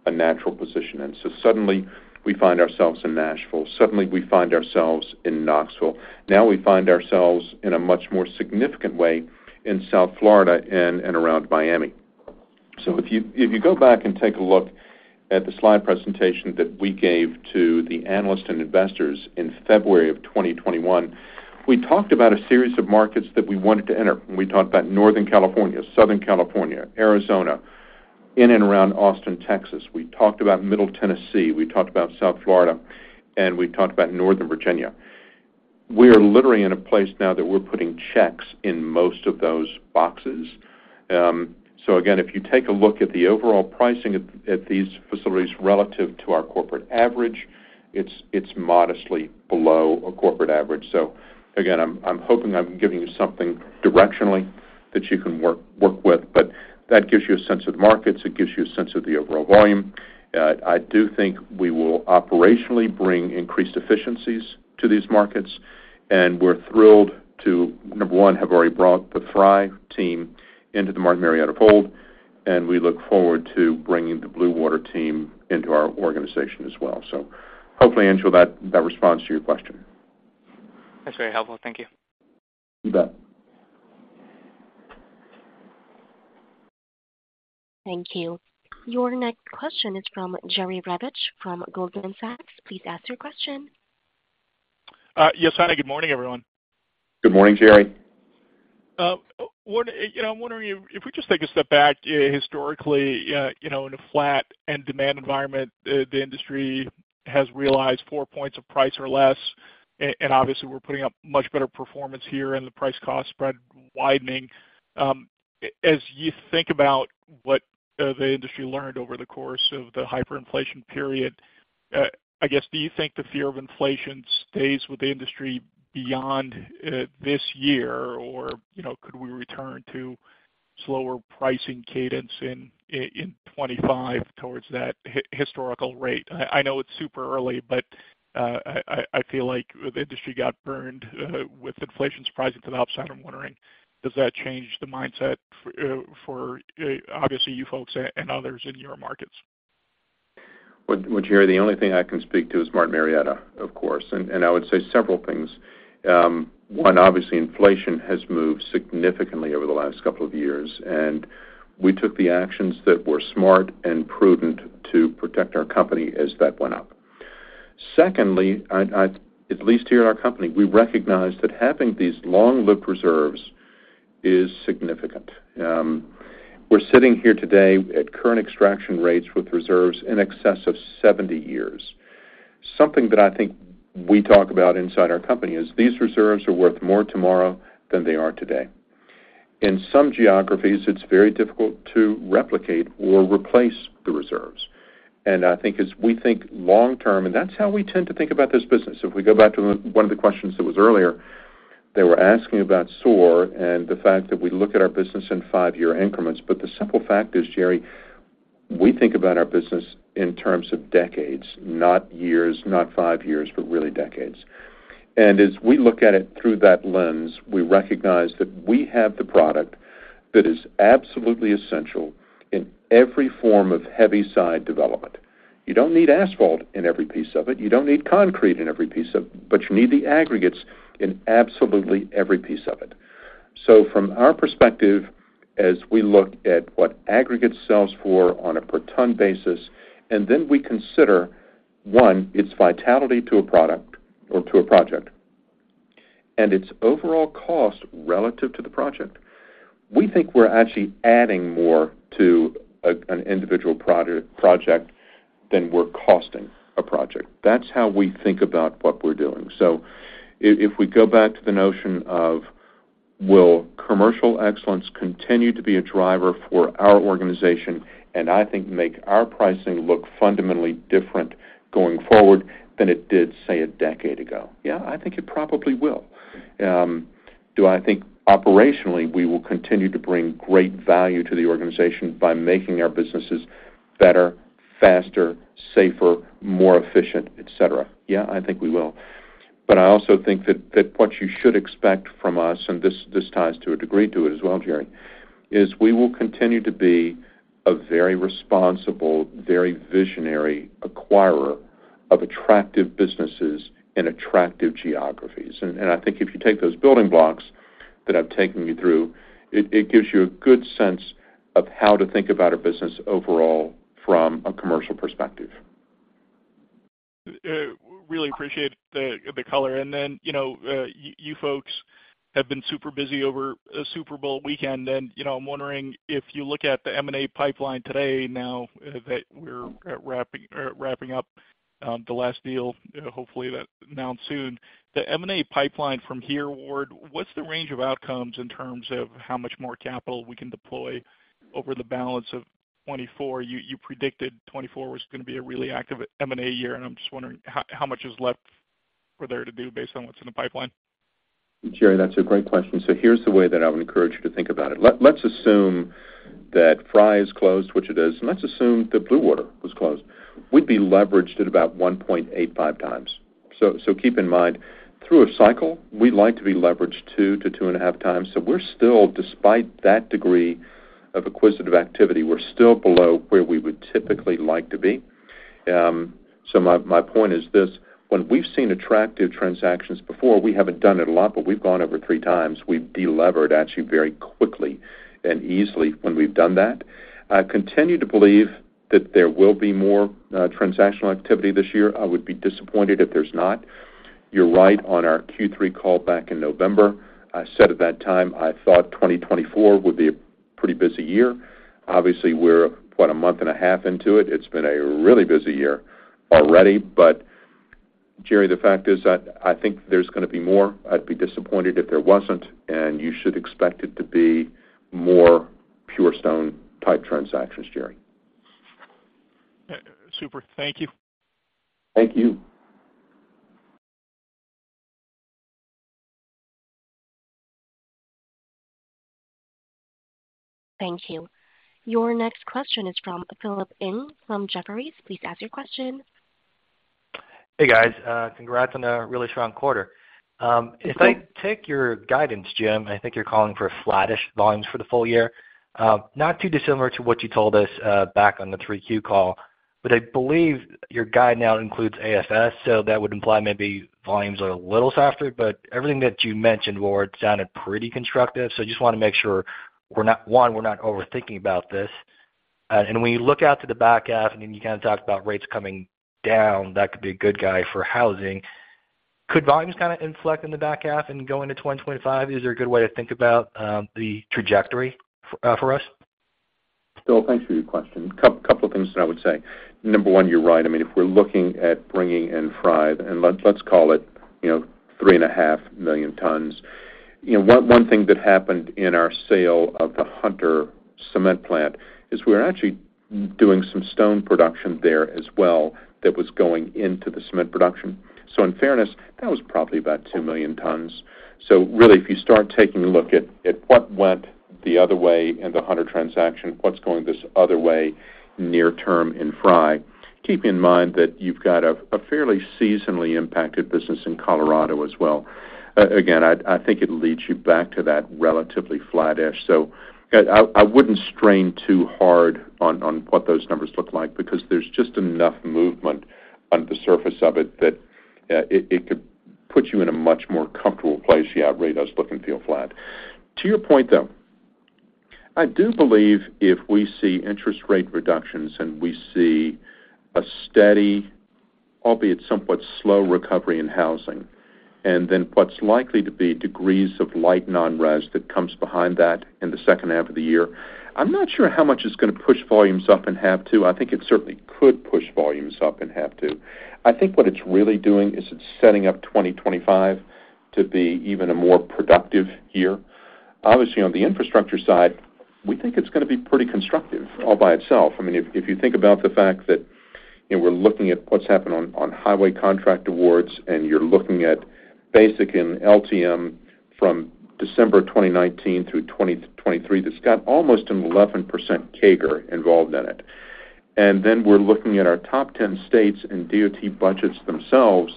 a natural position in. So suddenly, we find ourselves in Nashville. Suddenly, we find ourselves in Knoxville. Now we find ourselves in a much more significant way in South Florida and around Miami. So if you go back and take a look at the slide presentation that we gave to the analysts and investors in February of 2021, we talked about a series of markets that we wanted to enter. We talked about Northern California, Southern California, Arizona, in and around Austin, Texas. We talked about Middle Tennessee. We talked about South Florida. And we talked about Northern Virginia. We are literally in a place now that we're putting checks in most of those boxes. So again, if you take a look at the overall pricing at these facilities relative to our corporate average, it's modestly below a corporate average. So again, I'm hoping I'm giving you something directionally that you can work with. But that gives you a sense of the markets. It gives you a sense of the overall volume. I do think we will operationally bring increased efficiencies to these markets. And we're thrilled to, number one, have already brought the Frei team into the Martin Marietta fold. And we look forward to bringing the Blue Water team into our organization as well. So hopefully, Angel, that responds to your question. That's very helpful. Thank you. You bet. Thank you. Your next question is from Jerry Revich from Goldman Sachs. Please ask your question. Yes, hi. Good morning, everyone. Good morning, Jerry. I'm wondering if we just take a step back. Historically, in a flat and demand environment, the industry has realized four points of price or less. And obviously, we're putting up much better performance here and the price-cost spread widening. As you think about what the industry learned over the course of the hyperinflation period, I guess, do you think the fear of inflation stays with the industry beyond this year, or could we return to slower pricing cadence in 2025 towards that historical rate? I know it's super early, but I feel like the industry got burned with inflation surprising to the upside. I'm wondering, does that change the mindset for, obviously, you folks and others in your markets? What you hear, the only thing I can speak to is Martin Marietta, of course. I would say several things. One, obviously, inflation has moved significantly over the last couple of years. We took the actions that were smart and prudent to protect our company as that went up. Secondly, at least here at our company, we recognize that having these long-lived reserves is significant. We're sitting here today at current extraction rates with reserves in excess of 70 years. Something that I think we talk about inside our company is these reserves are worth more tomorrow than they are today. In some geographies, it's very difficult to replicate or replace the reserves. I think as we think long-term, and that's how we tend to think about this business. If we go back to one of the questions that was earlier, they were asking about SOAR and the fact that we look at our business in five-year increments. But the simple fact is, Jerry, we think about our business in terms of decades, not years, not five years, but really decades. And as we look at it through that lens, we recognize that we have the product that is absolutely essential in every form of heavy-side development. You don't need asphalt in every piece of it. You don't need concrete in every piece of it, but you need the aggregates in absolutely every piece of it. So from our perspective, as we look at what aggregates sell for on a per-ton basis, and then we consider, one, its vitality to a product or to a project, and its overall cost relative to the project, we think we're actually adding more to an individual project than we're costing a project. That's how we think about what we're doing. So if we go back to the notion of will commercial excellence continue to be a driver for our organization, and I think make our pricing look fundamentally different going forward than it did, say, a decade ago? Yeah, I think it probably will. Do I think operationally, we will continue to bring great value to the organization by making our businesses better, faster, safer, more efficient, etc.? Yeah, I think we will. But I also think that what you should expect from us, and this ties to a degree to it as well, Jerry, is we will continue to be a very responsible, very visionary acquirer of attractive businesses in attractive geographies. And I think if you take those building blocks that I've taken you through, it gives you a good sense of how to think about a business overall from a commercial perspective. Really appreciate the color. And then you folks have been super busy over a Super Bowl weekend. And I'm wondering, if you look at the M&A pipeline today, now that we're wrapping up the last deal, hopefully that now soon, the M&A pipeline from here, Ward, what's the range of outcomes in terms of how much more capital we can deploy over the balance of 2024? You predicted 2024 was going to be a really active M&A year. And I'm just wondering, how much is left for there to do based on what's in the pipeline? Jerry, that's a great question. So here's the way that I would encourage you to think about it. Let's assume that Frei is closed, which it is. Let's assume that Blue Water was closed. We'd be leveraged at about 1.85x. So keep in mind, through a cycle, we'd like to be leveraged 2-2.5 times. So despite that degree of acquisitive activity, we're still below where we would typically like to be. So my point is this. When we've seen attractive transactions before, we haven't done it a lot, but we've gone over 3x. We've delevered actually very quickly and easily when we've done that. I continue to believe that there will be more transactional activity this year. I would be disappointed if there's not. You're right on our Q3 callback in November. I said at that time, I thought 2024 would be a pretty busy year. Obviously, we're what, a month and a half into it? It's been a really busy year already. But Jerry, the fact is, I think there's going to be more. I'd be disappointed if there wasn't. And you should expect it to be more pure stone-type transactions, Jerry. Super. Thank you. Thank you. Thank you. Your next question is from Philip Ng from Jefferies. Please ask your question. Hey, guys. Congrats on a really strong quarter. If I take your guidance, Jim, I think you're calling for flattish volumes for the full year, not too dissimilar to what you told us back on the 3Q call. But I believe your guide now includes AFS. So that would imply maybe volumes are a little softer. But everything that you mentioned, Ward, sounded pretty constructive. So I just want to make sure, one, we're not overthinking about this. And when you look out to the back half, and then you kind of talked about rates coming down, that could be a good guy for housing. Could volumes kind of inflect in the back half and go into 2025? Is there a good way to think about the trajectory for us? Still, thanks for your question. A couple of things that I would say. Number One, you're right. I mean, if we're looking at bringing in Frei, and let's call it 3.5 million tons, one thing that happened in our sale of the Hunter cement plant is we were actually doing some stone production there as well that was going into the cement production. So in fairness, that was probably about 2 million tons. So really, if you start taking a look at what went the other way in the Hunter transaction, what's going this other way near-term in Frei, keep in mind that you've got a fairly seasonally impacted business in Colorado as well. Again, I think it leads you back to that relatively flattish. So I wouldn't strain too hard on what those numbers look like because there's just enough movement under the surface of it that it could put you in a much more comfortable place to outrate us look and feel flat. To your point, though, I do believe if we see interest rate reductions and we see a steady, albeit somewhat slow, recovery in housing, and then what's likely to be degrees of light non-res that comes behind that in the second half of the year, I'm not sure how much it's going to push volumes up and have to. I think it certainly could push volumes up and have to. I think what it's really doing is it's setting up 2025 to be even a more productive year. Obviously, on the infrastructure side, we think it's going to be pretty constructive all by itself. I mean, if you think about the fact that we're looking at what's happened on highway contract awards, and you're looking at base and LTM from December of 2019 through 2023 that's got almost an 11% CAGR involved in it. Then we're looking at our top 10 states and DOT budgets themselves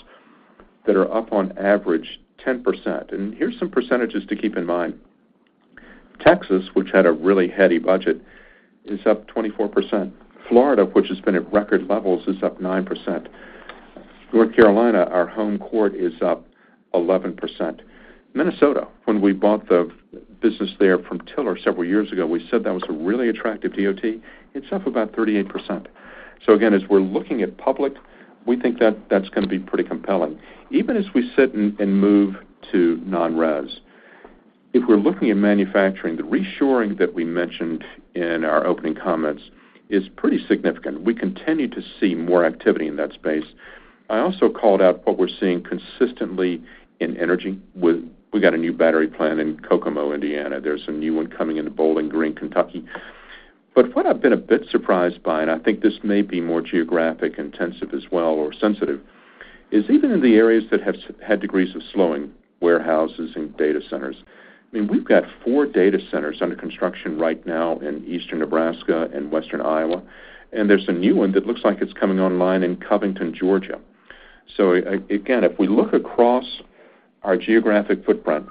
that are up on average 10%. Here's some percentages to keep in mind. Texas, which had a really heady budget, is up 24%. Florida, which has been at record levels, is up 9%. North Carolina, our home court, is up 11%. Minnesota, when we bought the business there from Tiller several years ago, we said that was a really attractive DOT. It's up about 38%. So again, as we're looking at public, we think that that's going to be pretty compelling. Even as we sit and move to non-res, if we're looking at manufacturing, the reshoring that we mentioned in our opening comments is pretty significant. We continue to see more activity in that space. I also called out what we're seeing consistently in energy. We got a new battery plant in Kokomo, Indiana. There's a new one coming into Bowling Green, Kentucky. But what I've been a bit surprised by, and I think this may be more geographic intensive as well or sensitive, is even in the areas that have had degrees of slowing, warehouses and data centers. I mean, we've got four data centers under construction right now in eastern Nebraska and western Iowa. And there's a new one that looks like it's coming online in Covington, Georgia. So again, if we look across our geographic footprint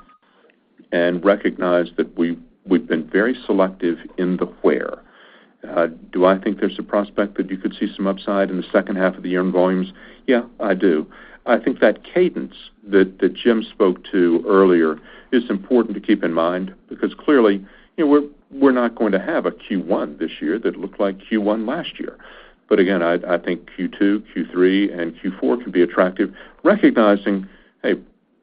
and recognize that we've been very selective in the where, do I think there's a prospect that you could see some upside in the second half of the year in volumes? Yeah, I do. I think that cadence that Jim spoke to earlier is important to keep in mind because clearly, we're not going to have a Q1 this year that looked like Q1 last year. But again, I think Q2, Q3, and Q4 can be attractive, recognizing, hey,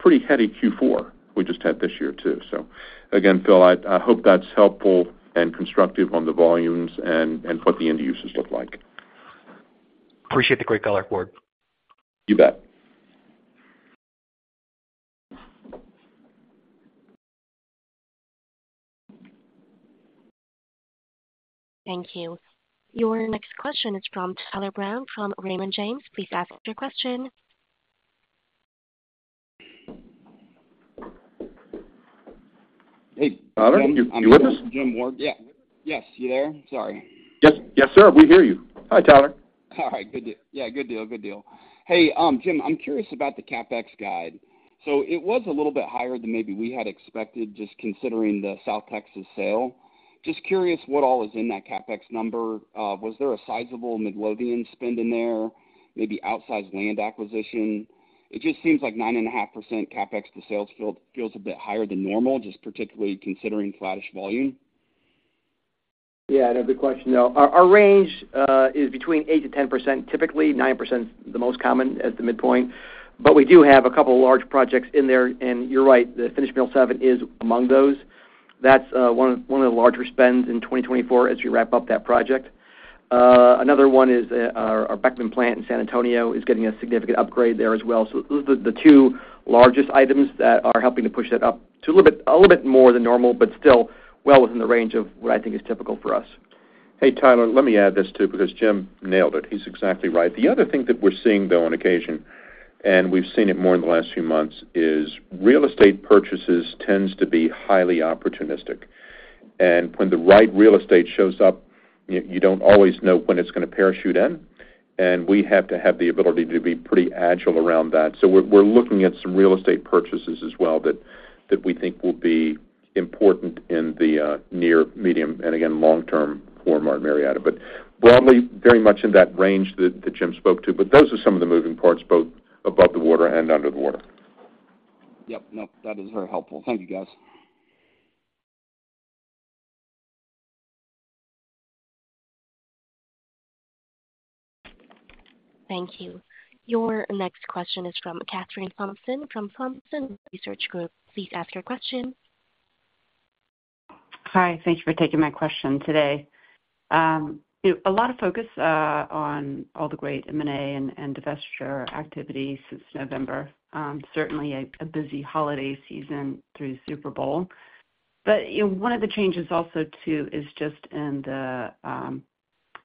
pretty heavy Q4 we just had this year too. So again, Phil, I hope that's helpful and constructive on the volumes and what the end uses look like. Appreciate the great color, Ward. You bet. Thank you. Your next question is from Tyler Brown from Raymond James. Please ask your question. Hey, Tyler, you with us? Jim, Ward, yeah. Yes, you there? Sorry. Yes, sir. We hear you. Hi, Tyler. All right. Good deal. Yeah, good deal. Good deal. Hey, Jim, I'm curious about the CapEx guide. So it was a little bit higher than maybe we had expected just considering the South Texas sale. Just curious what all is in that CapEx number. Was there a sizable Midlothian spend in there, maybe outsized land acquisition? It just seems like 9.5% CapEx to sales feels a bit higher than normal, just particularly considering flattish volume. Yeah, that'd be a good question, though. Our range is between 8%-10% typically. 9% is the most common at the midpoint. But we do have a couple of large projects in there. And you're right, the Finish Mill seven is among those. That's one of the larger spends in 2024 as we wrap up that project. Another one is our Beckmann plant in San Antonio is getting a significant upgrade there as well. So those are the two largest items that are helping to push that up to a little bit more than normal, but still well within the range of what I think is typical for us. Hey, Tyler, let me add this too because Jim nailed it. He's exactly right. The other thing that we're seeing, though, on occasion, and we've seen it more in the last few months, is real estate purchases tend to be highly opportunistic. And when the right real estate shows up, you don't always know when it's going to parachute in. And we have to have the ability to be pretty agile around that. So we're looking at some real estate purchases as well that we think will be important in the near, medium, and again, long-term for Martin Marietta. But broadly, very much in that range that Jim spoke to. But those are some of the moving parts, both above the water and under the water. Yep. No, that is very helpful. Thank you, guys. Thank you. Your next question is from Kathryn Thompson from Thompson Research Group. Please ask your question. Hi. Thank you for taking my question today. A lot of focus on all the great M&A and divestiture activity since November, certainly a busy holiday season through Super Bowl. But one of the changes also too is just in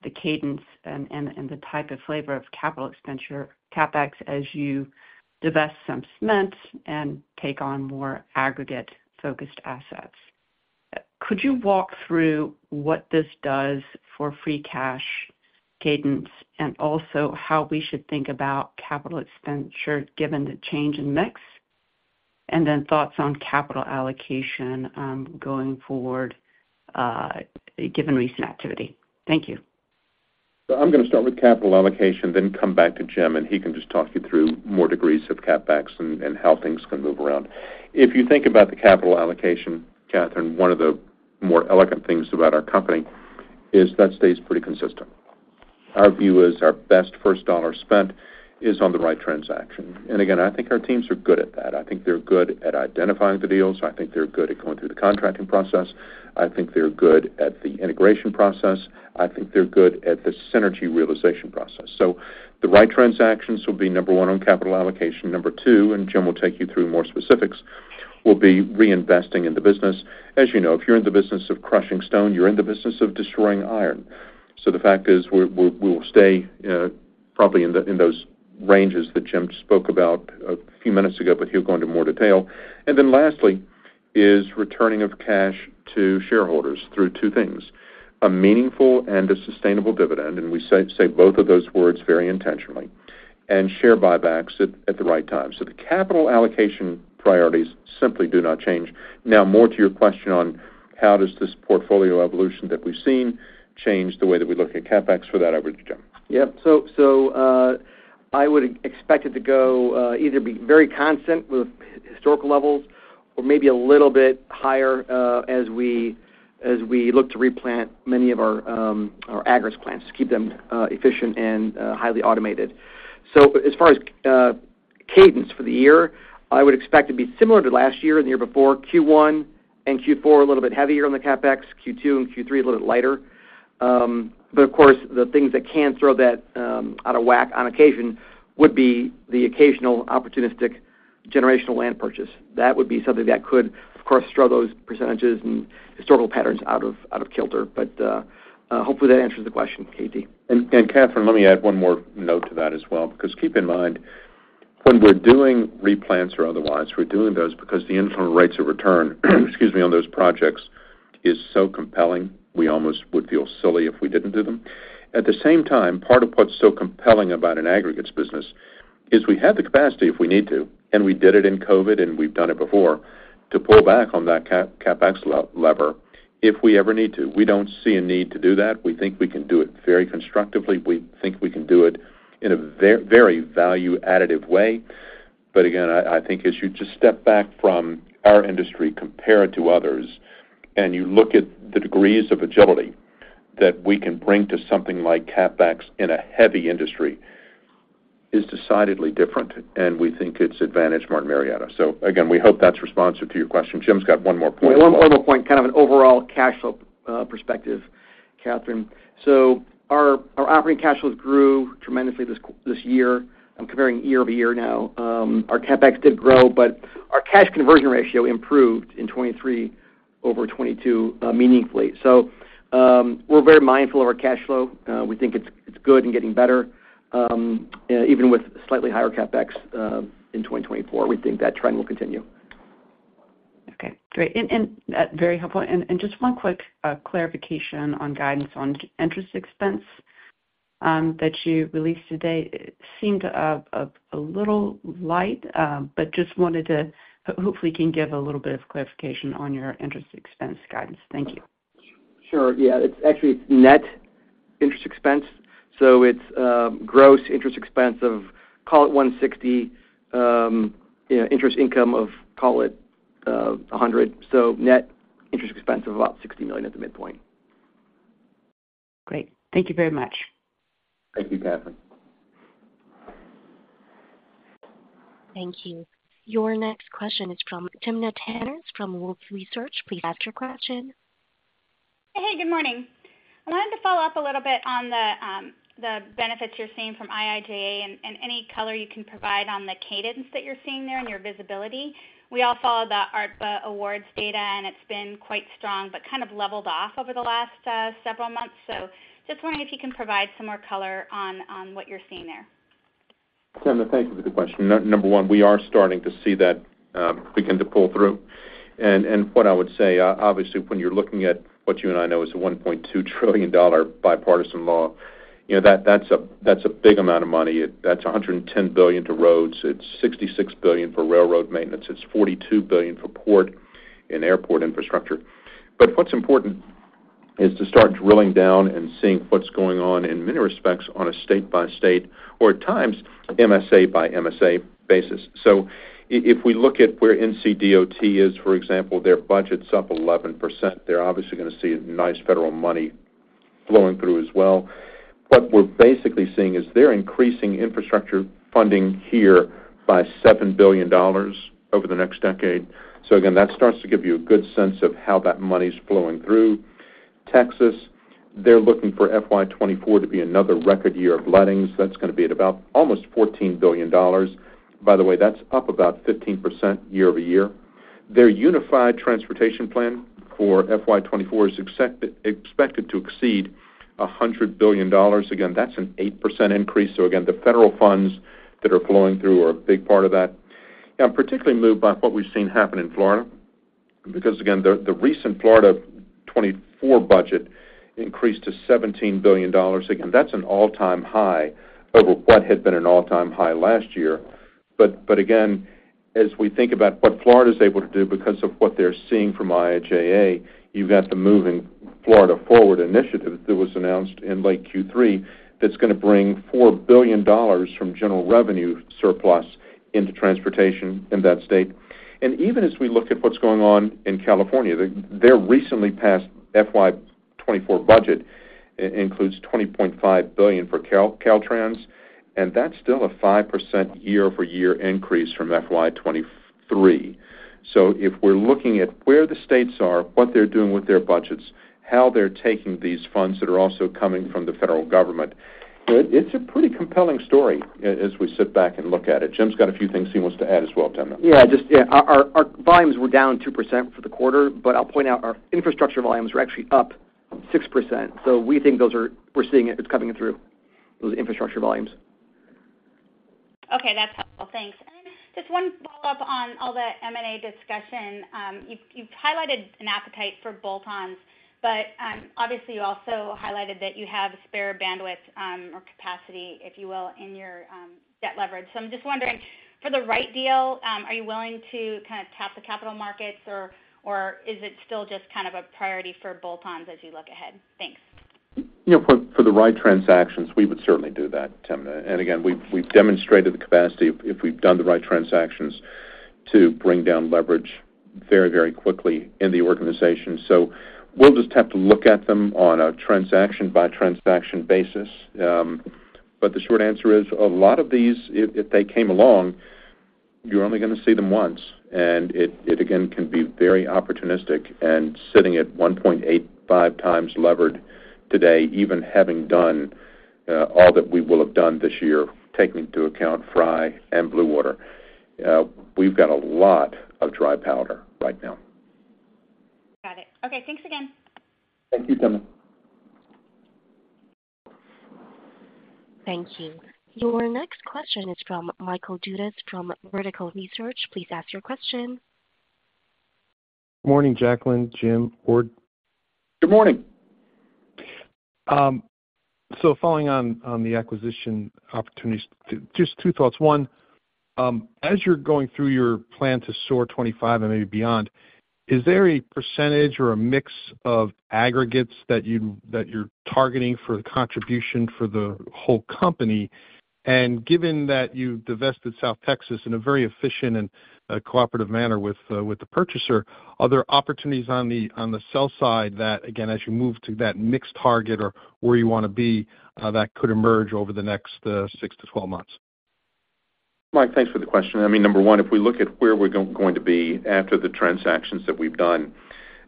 the cadence and the type of flavor of capital expenditure, CapEx, as you divest some cement and take on more aggregate-focused assets. Could you walk through what this does for free cash cadence and also how we should think about capital expenditure given the change in mix? And then thoughts on capital allocation going forward given recent activity. Thank you. So I'm going to start with capital allocation, then come back to Jim, and he can just talk you through more degrees of CapEx and how things can move around. If you think about the capital allocation, Kathryn, one of the more elegant things about our company is that stays pretty consistent. Our view is our best first dollar spent is on the right transaction. And again, I think our teams are good at that. I think they're good at identifying the deals. I think they're good at going through the contracting process. I think they're good at the integration process. I think they're good at the synergy realization process. So the right transactions will be number one on capital allocation. Number two, and Jim will take you through more specifics, will be reinvesting in the business. As you know, if you're in the business of crushing stone, you're in the business of destroying iron. So the fact is, we will stay probably in those ranges that Jim spoke about a few minutes ago, but he'll go into more detail. And then lastly is returning of cash to shareholders through two things, a meaningful and a sustainable dividend, and we say both of those words very intentionally, and share buybacks at the right time. So the capital allocation priorities simply do not change. Now, more to your question on how does this portfolio evolution that we've seen change the way that we look at CapEx? For that, I would, Jim. Yep. So I would expect it to either be very constant with historical levels or maybe a little bit higher as we look to replant many of our aggregate plants to keep them efficient and highly automated. So as far as cadence for the year, I would expect it to be similar to last year and the year before, Q1 and Q4 a little bit heavier on the CapEx, Q2 and Q3 a little bit lighter. But of course, the things that can throw that out of whack on occasion would be the occasional opportunistic generational land purchase. That would be something that could, of course, throw those percentages and historical patterns out of kilter. But hopefully, that answers the question, KT. Kathryn, let me add one more note to that as well because keep in mind, when we're doing replants or otherwise, we're doing those because the internal rates of return, excuse me, on those projects is so compelling, we almost would feel silly if we didn't do them. At the same time, part of what's so compelling about an aggregates business is we have the capacity if we need to, and we did it in COVID, and we've done it before, to pull back on that CapEx lever if we ever need to. We don't see a need to do that. We think we can do it very constructively. We think we can do it in a very value-additive way. But again, I think as you just step back from our industry, compare it to others, and you look at the degrees of agility that we can bring to something like CapEx in a heavy industry, it's decidedly different. And we think it's advantaged, Martin Marietta. So again, we hope that's responsive to your question. Jim's got one more point as well. One more point, kind of an overall cash flow perspective, Kathryn. So our operating cash flows grew tremendously this year. I'm comparing year-over-year now. Our CapEx did grow, but our cash conversion ratio improved in 2023 over 2022 meaningfully. So we're very mindful of our cash flow. We think it's good and getting better. Even with slightly higher CapEx in 2024, we think that trend will continue. Okay. Great. Very helpful. Just one quick clarification on guidance on interest expense that you released today seemed a little light, but just wanted to hopefully can give a little bit of clarification on your interest expense guidance. Thank you. Sure. Yeah. Actually, it's net interest expense. So it's gross interest expense of, call it $160 million, interest income of, call it $100 million. So net interest expense of about $60 million at the midpoint. Great. Thank you very much. Thank you, Kathryn. Thank you. Your next question is from Timna Tanners from Wolfe Research. Please ask your question. Hey, good morning. I wanted to follow up a little bit on the benefits you're seeing from IIJA and any color you can provide on the cadence that you're seeing there and your visibility. We all follow the ARTBA Awards data, and it's been quite strong but kind of leveled off over the last several months. So just wondering if you can provide some more color on what you're seeing there. Tim, thank you for the question. Number one, we are starting to see that begin to pull through. What I would say, obviously, when you're looking at what you and I know is a $1.2 trillion bipartisan law, that's a big amount of money. That's $110 billion to roads. It's $66 billion for railroad maintenance. It's $42 billion for port and airport infrastructure. What's important is to start drilling down and seeing what's going on in many respects on a state-by-state or at times, MSA-by-MSA basis. If we look at where NCDOT is, for example, their budget's up 11%. They're obviously going to see nice federal money flowing through as well. What we're basically seeing is they're increasing infrastructure funding here by $7 billion over the next decade. Again, that starts to give you a good sense of how that money's flowing through Texas. They're looking for FY24 to be another record year of lettings. That's going to be at about almost $14 billion. By the way, that's up about 15% year-over-year. Their unified transportation plan for FY24 is expected to exceed $100 billion. Again, that's an 8% increase. So again, the federal funds that are flowing through are a big part of that. I'm particularly moved by what we've seen happen in Florida because again, the recent Florida 2024 budget increased to $17 billion. Again, that's an all-time high over what had been an all-time high last year. But again, as we think about what Florida is able to do because of what they're seeing from IIJA, you've got the Moving Florida Forward Initiative that was announced in late Q3 that's going to bring $4 billion from general revenue surplus into transportation in that state. Even as we look at what's going on in California, their recently passed FY24 budget includes $20.5 billion for Caltrans. That's still a 5% year-over-year increase from FY23. If we're looking at where the states are, what they're doing with their budgets, how they're taking these funds that are also coming from the federal government, it's a pretty compelling story as we sit back and look at it. Jim's got a few things he wants to add as well, Tim. Yeah. Our volumes were down 2% for the quarter, but I'll point out our infrastructure volumes were actually up 6%. So we think we're seeing it's coming through, those infrastructure volumes. Okay. That's helpful. Thanks. And just one follow-up on all the M&A discussion. You've highlighted an appetite for bolt-ons, but obviously, you also highlighted that you have spare bandwidth or capacity, if you will, in your debt leverage. So I'm just wondering, for the right deal, are you willing to kind of tap the capital markets, or is it still just kind of a priority for bolt-ons as you look ahead? Thanks. For the right transactions, we would certainly do that, Tim. Again, we've demonstrated the capacity if we've done the right transactions to bring down leverage very, very quickly in the organization. We'll just have to look at them on a transaction-by-transaction basis. But the short answer is, a lot of these, if they came along, you're only going to see them once. And it, again, can be very opportunistic. Sitting at 1.85x levered today, even having done all that we will have done this year, taking into account Frei and Blue Water, we've got a lot of dry powder right now. Got it. Okay. Thanks again. Thank you, Tim. Thank you. Your next question is from Michael Dudas from Vertical Research. Please ask your question. Morning, Jacklyn, Jim, Ward. Good morning. So following on the acquisition opportunities, just two thoughts. One, as you're going through your plan to SOAR 25 and maybe beyond, is there a percentage or a mix of aggregates that you're targeting for the contribution for the whole company? And given that you've divested South Texas in a very efficient and cooperative manner with the purchaser, are there opportunities on the sell side that, again, as you move to that mixed target or where you want to be, that could emerge over the next 6-12 months? Mike, thanks for the question. I mean, number one, if we look at where we're going to be after the transactions that we've done,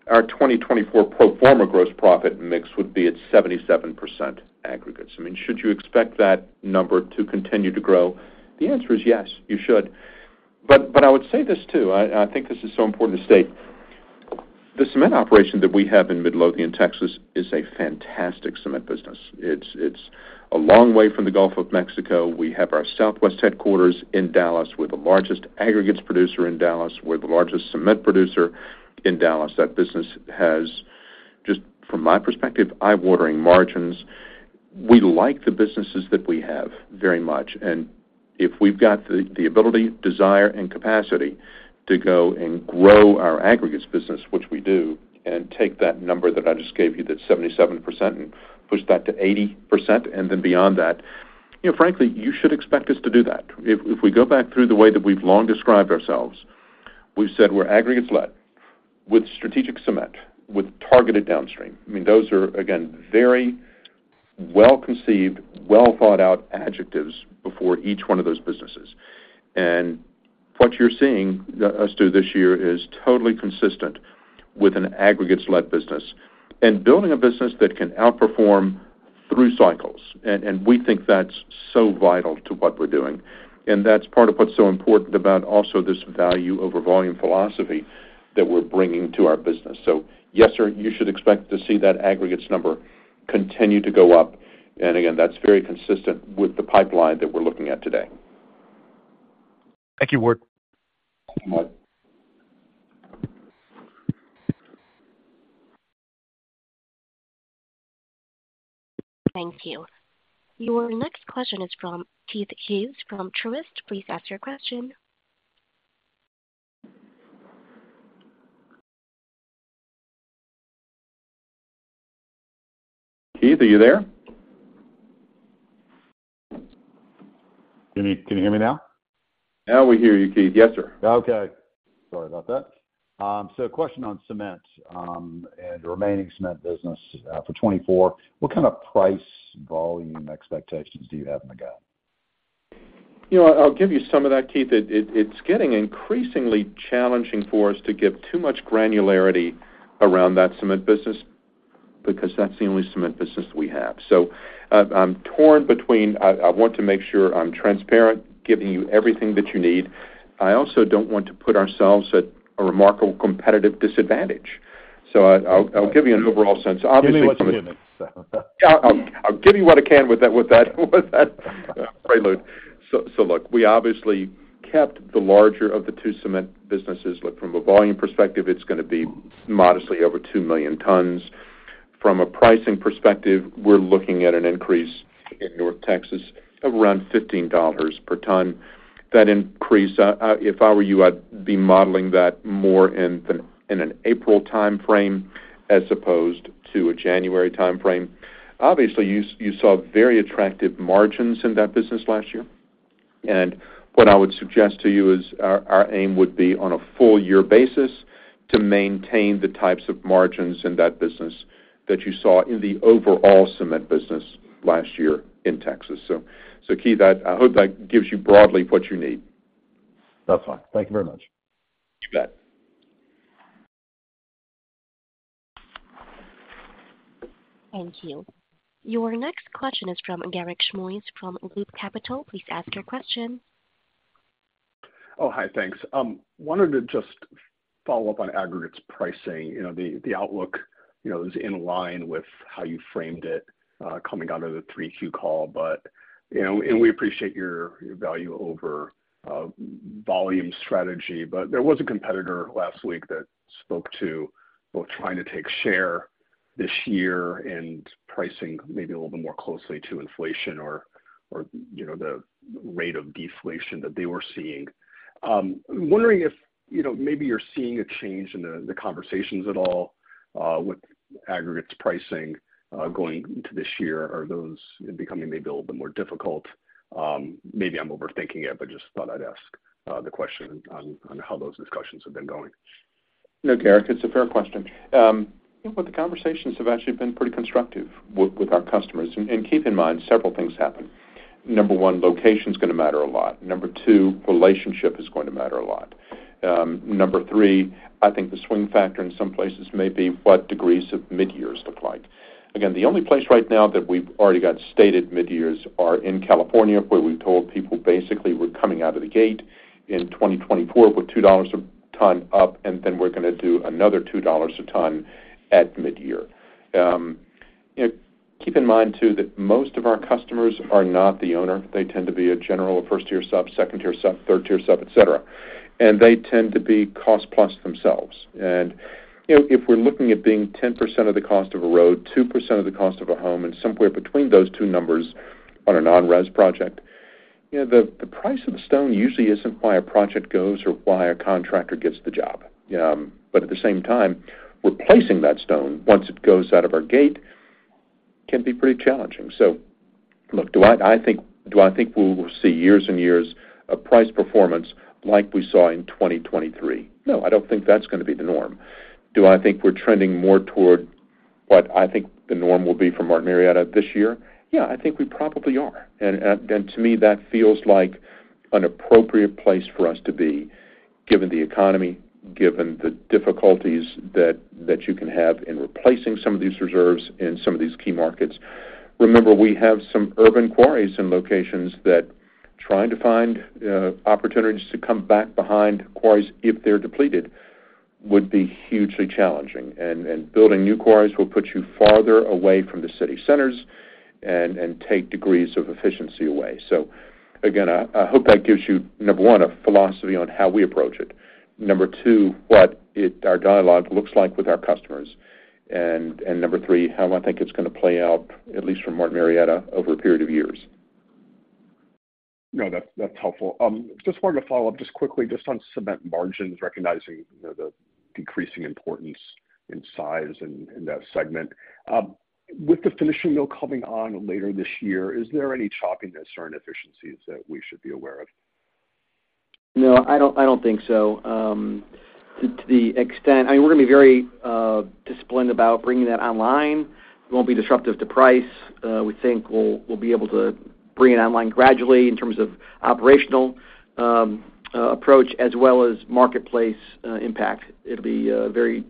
our 2024 pro forma gross profit mix would be at 77% aggregates. I mean, should you expect that number to continue to grow? The answer is yes, you should. But I would say this too. I think this is so important to state. The cement operation that we have in Midlothian, Texas is a fantastic cement business. It's a long way from the Gulf of Mexico. We have our southwest headquarters in Dallas with the largest aggregates producer in Dallas, we're the largest cement producer in Dallas. That business has, just from my perspective, eye-watering margins. We like the businesses that we have very much. And if we've got the ability, desire, and capacity to go and grow our aggregates business, which we do, and take that number that I just gave you, that 77%, and push that to 80%, and then beyond that, frankly, you should expect us to do that. If we go back through the way that we've long described ourselves, we've said we're aggregates-led with strategic cement with targeted downstream. I mean, those are, again, very well-conceived, well-thought-out adjectives before each one of those businesses. And what you're seeing us do this year is totally consistent with an aggregates-led business and building a business that can outperform through cycles. And we think that's so vital to what we're doing. And that's part of what's so important about also this value-over-volume philosophy that we're bringing to our business. Yes, sir, you should expect to see that aggregates number continue to go up. Again, that's very consistent with the pipeline that we're looking at today. Thank you, Ward. Thank you, Mike. Thank you. Your next question is from Keith Hughes from Truist. Please ask your question. Keith, are you there? Can you hear me now? Now we hear you, Keith. Yes, sir. Okay. Sorry about that. So a question on cement and the remaining cement business for 2024. What kind of price volume expectations do you have in the Gulf? I'll give you some of that, Keith. It's getting increasingly challenging for us to give too much granularity around that cement business because that's the only cement business that we have. So I'm torn between, I want to make sure I'm transparent, giving you everything that you need. I also don't want to put ourselves at a remarkable competitive disadvantage. So I'll give you an overall sense. Obviously. Give me what you give me, so. Yeah. I'll give you what I can with that prelude. So look, we obviously kept the larger of the two cement businesses. From a volume perspective, it's going to be modestly over 2 million tons. From a pricing perspective, we're looking at an increase in North Texas of around $15 per ton. That increase, if I were you, I'd be modeling that more in an April timeframe as opposed to a January timeframe. Obviously, you saw very attractive margins in that business last year. And what I would suggest to you is our aim would be on a full-year basis to maintain the types of margins in that business that you saw in the overall cement business last year in Texas. So Keith, I hope that gives you broadly what you need. That's fine. Thank you very much. You bet. Thank you. Your next question is from Garik Shmois from Loop Capital. Please ask your question. Oh, hi. Thanks. Wanted to just follow up on aggregates pricing. The outlook is in line with how you framed it coming out of the 3Q call, and we appreciate your value-over-volume strategy. But there was a competitor last week that spoke to both trying to take share this year and pricing maybe a little bit more closely to inflation or the rate of deflation that they were seeing. I'm wondering if maybe you're seeing a change in the conversations at all with aggregates pricing going into this year. Are those becoming maybe a little bit more difficult? Maybe I'm overthinking it, but just thought I'd ask the question on how those discussions have been going. No, Garik, it's a fair question. But the conversations have actually been pretty constructive with our customers. And keep in mind, several things happen. Number one, location's going to matter a lot. Number two, relationship is going to matter a lot. Number three, I think the swing factor in some places may be what degrees of midyears look like. Again, the only place right now that we've already got stated midyears are in California, where we've told people basically we're coming out of the gate in 2024 with $2 a ton up, and then we're going to do another $2 a ton at midyear. Keep in mind too that most of our customers are not the owner. They tend to be a general or first-tier sub, second-tier sub, third-tier sub, etc. And they tend to be cost-plus themselves. If we're looking at being 10% of the cost of a road, 2% of the cost of a home, and somewhere between those two numbers on a non-res project, the price of the stone usually isn't why a project goes or why a contractor gets the job. But at the same time, replacing that stone once it goes out of our gate can be pretty challenging. So look, do I think we'll see years and years of price performance like we saw in 2023? No, I don't think that's going to be the norm. Do I think we're trending more toward what I think the norm will be for Martin Marietta this year? Yeah, I think we probably are. And to me, that feels like an appropriate place for us to be given the economy, given the difficulties that you can have in replacing some of these reserves in some of these key markets. Remember, we have some urban quarries in locations that trying to find opportunities to come back behind quarries, if they're depleted, would be hugely challenging. And building new quarries will put you farther away from the city centers and take degrees of efficiency away. So again, I hope that gives you, number one, a philosophy on how we approach it. Number two, what our dialogue looks like with our customers. And number three, how I think it's going to play out, at least for Martin Marietta, over a period of years. No, that's helpful. Just wanted to follow up just quickly just on cement margins, recognizing the decreasing importance in size in that segment. With the finishing mill coming on later this year, is there any choppiness or inefficiencies that we should be aware of? No, I don't think so. To the extent I mean, we're going to be very disciplined about bringing that online. It won't be disruptive to price. We think we'll be able to bring it online gradually in terms of operational approach as well as marketplace impact. It'll be very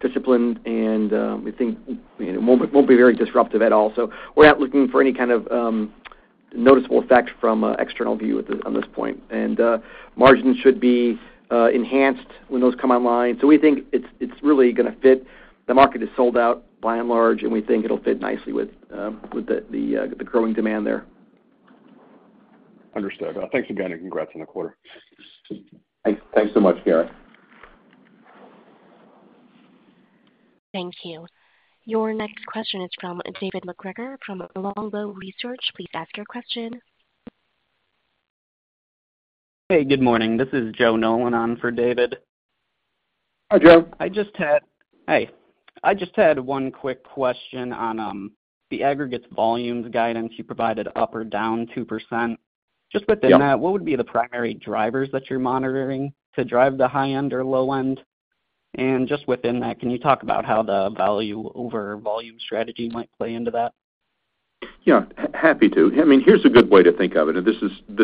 disciplined, and we think it won't be very disruptive at all. So we're not looking for any kind of noticeable effect from an external view on this point. And margins should be enhanced when those come online. So we think it's really going to fit. The market is sold out, by and large, and we think it'll fit nicely with the growing demand there. Understood. Thanks again, and congrats on the quarter. Thanks so much, Garik. Thank you. Your next question is from David MacGregor from Longbow Research. Please ask your question. Hey, good morning. This is Joe Nolan on for David. Hi, Joe. I just had one quick question on the aggregates volumes guidance you provided, up or down 2%. Just within that, what would be the primary drivers that you're monitoring to drive the high-end or low-end? And just within that, can you talk about how the value over volume strategy might play into that? Yeah, happy to. I mean, here's a good way to think of it. And this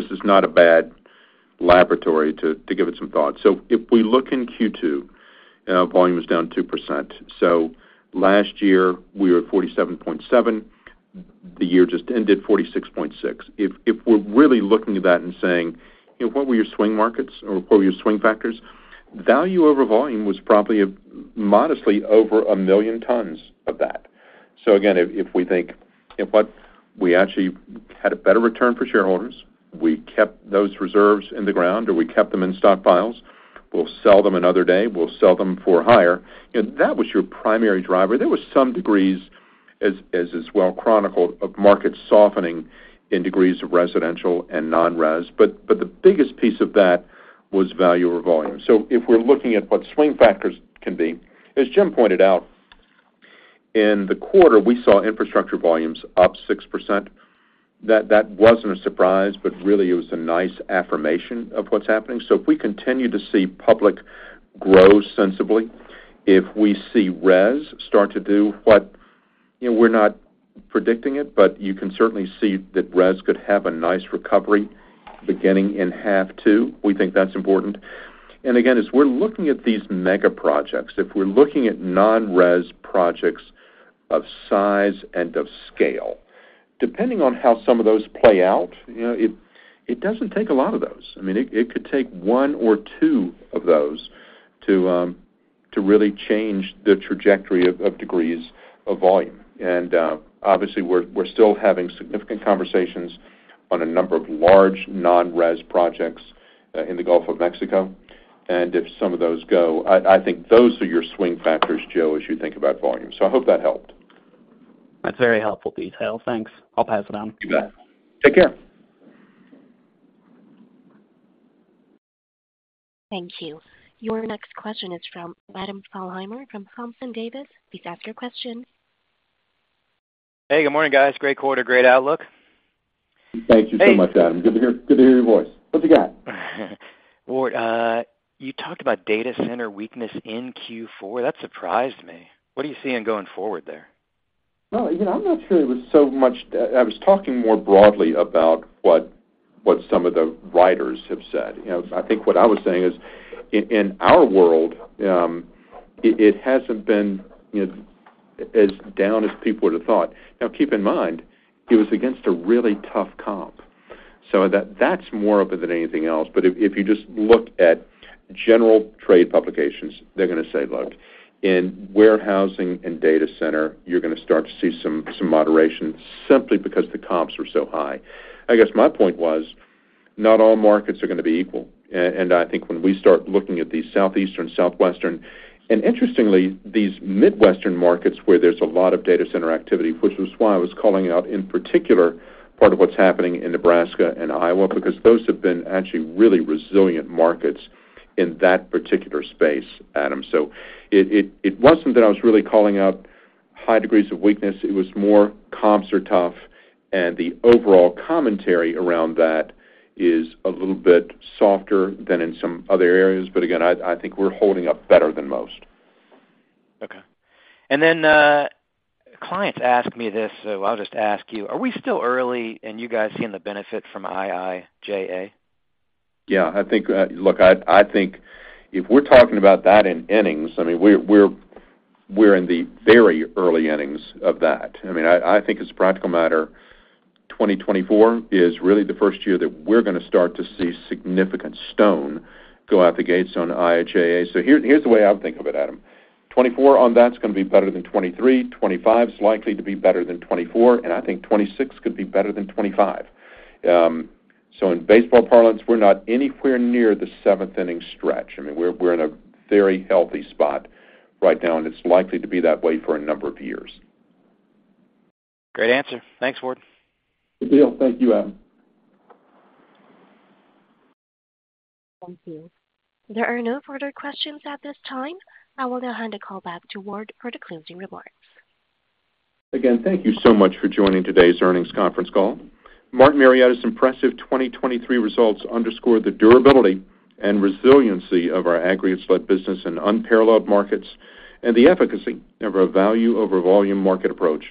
is not a bad laboratory to give it some thought. So if we look in Q2, volume is down 2%. So last year, we were at 47.7. The year just ended 46.6. If we're really looking at that and saying, "What were your swing markets or what were your swing factors?" value-over-volume was probably modestly over 1 million tons of that. So again, if we think, "We actually had a better return for shareholders. We kept those reserves in the ground, or we kept them in stockpiles. We'll sell them another day. We'll sell them for higher." That was your primary driver. There were some degrees, as is well chronicled, of market softening in degrees of residential and non-res. But the biggest piece of that was value-over-volume. So if we're looking at what swing factors can be, as Jim pointed out, in the quarter, we saw infrastructure volumes up 6%. That wasn't a surprise, but really, it was a nice affirmation of what's happening. So if we continue to see public growth sensibly, if we see res start to do what we're not predicting it, but you can certainly see that res could have a nice recovery beginning in half two. We think that's important. And again, as we're looking at these mega projects, if we're looking at non-res projects of size and of scale, depending on how some of those play out, it doesn't take a lot of those. I mean, it could take one or two of those to really change the trajectory of degrees of volume. And obviously, we're still having significant conversations on a number of large non-res projects in the Gulf of Mexico. And if some of those go, I think those are your swing factors, Joe, as you think about volume. So I hope that helped. That's very helpful detail. Thanks. I'll pass it on. You bet. Take care. Thank you. Your next question is from Adam Thalhimer from Thompson Davis. Please ask your question. Hey, good morning, guys. Great quarter. Great outlook. Thank you so much, Adam. Good to hear your voice. What's it got? Ward, you talked about data center weakness in Q4. That surprised me. What are you seeing going forward there? Well, I'm not sure it was so much I was talking more broadly about what some of the writers have said. I think what I was saying is, in our world, it hasn't been as down as people would have thought. Now, keep in mind, it was against a really tough comp. So that's more of it than anything else. But if you just look at general trade publications, they're going to say, "Look, in warehousing and data center, you're going to start to see some moderation simply because the comps were so high." I guess my point was, not all markets are going to be equal. I think when we start looking at these southeastern, southwestern, and interestingly, these midwestern markets where there's a lot of data center activity, which was why I was calling out in particular part of what's happening in Nebraska and Iowa, because those have been actually really resilient markets in that particular space, Adam. So it wasn't that I was really calling out high degrees of weakness. It was more comps are tough, and the overall commentary around that is a little bit softer than in some other areas. But again, I think we're holding up better than most. Okay. Then clients ask me this, so I'll just ask you. Are we still early in you guys seeing the benefit from IIJA? Yeah. Look, I think if we're talking about that in innings, I mean, we're in the very early innings of that. I mean, I think as a practical matter, 2024 is really the first year that we're going to start to see significant stone go out the gates on IIJA. So here's the way I think of it, Adam. 2024 on that's going to be better than 2023. 2025's likely to be better than 2024, and I think 2026 could be better than 2025. So in baseball parlance, we're not anywhere near the seventh inning stretch. I mean, we're in a very healthy spot right now, and it's likely to be that way for a number of years. Great answer. Thanks, Ward. Good deal. Thank you, Adam. Thank you. There are no further questions at this time. I will now hand the call back to Ward for the closing remarks. Again, thank you so much for joining today's earnings conference call. Martin Marietta's impressive 2023 results underscore the durability and resiliency of our aggregates-led business in unparalleled markets and the efficacy of a value-over-volume market approach.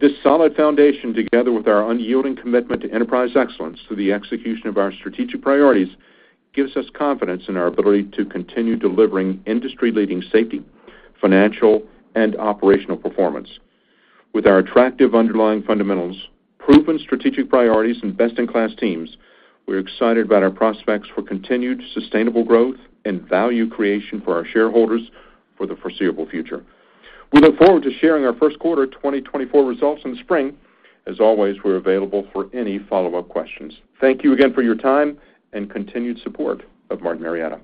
This solid foundation, together with our unyielding commitment to enterprise excellence through the execution of our strategic priorities, gives us confidence in our ability to continue delivering industry-leading safety, financial, and operational performance. With our attractive underlying fundamentals, proven strategic priorities, and best-in-class teams, we're excited about our prospects for continued sustainable growth and value creation for our shareholders for the foreseeable future. We look forward to sharing our first quarter 2024 results in the spring. As always, we're available for any follow-up questions. Thank you again for your time and continued support of Martin Marietta.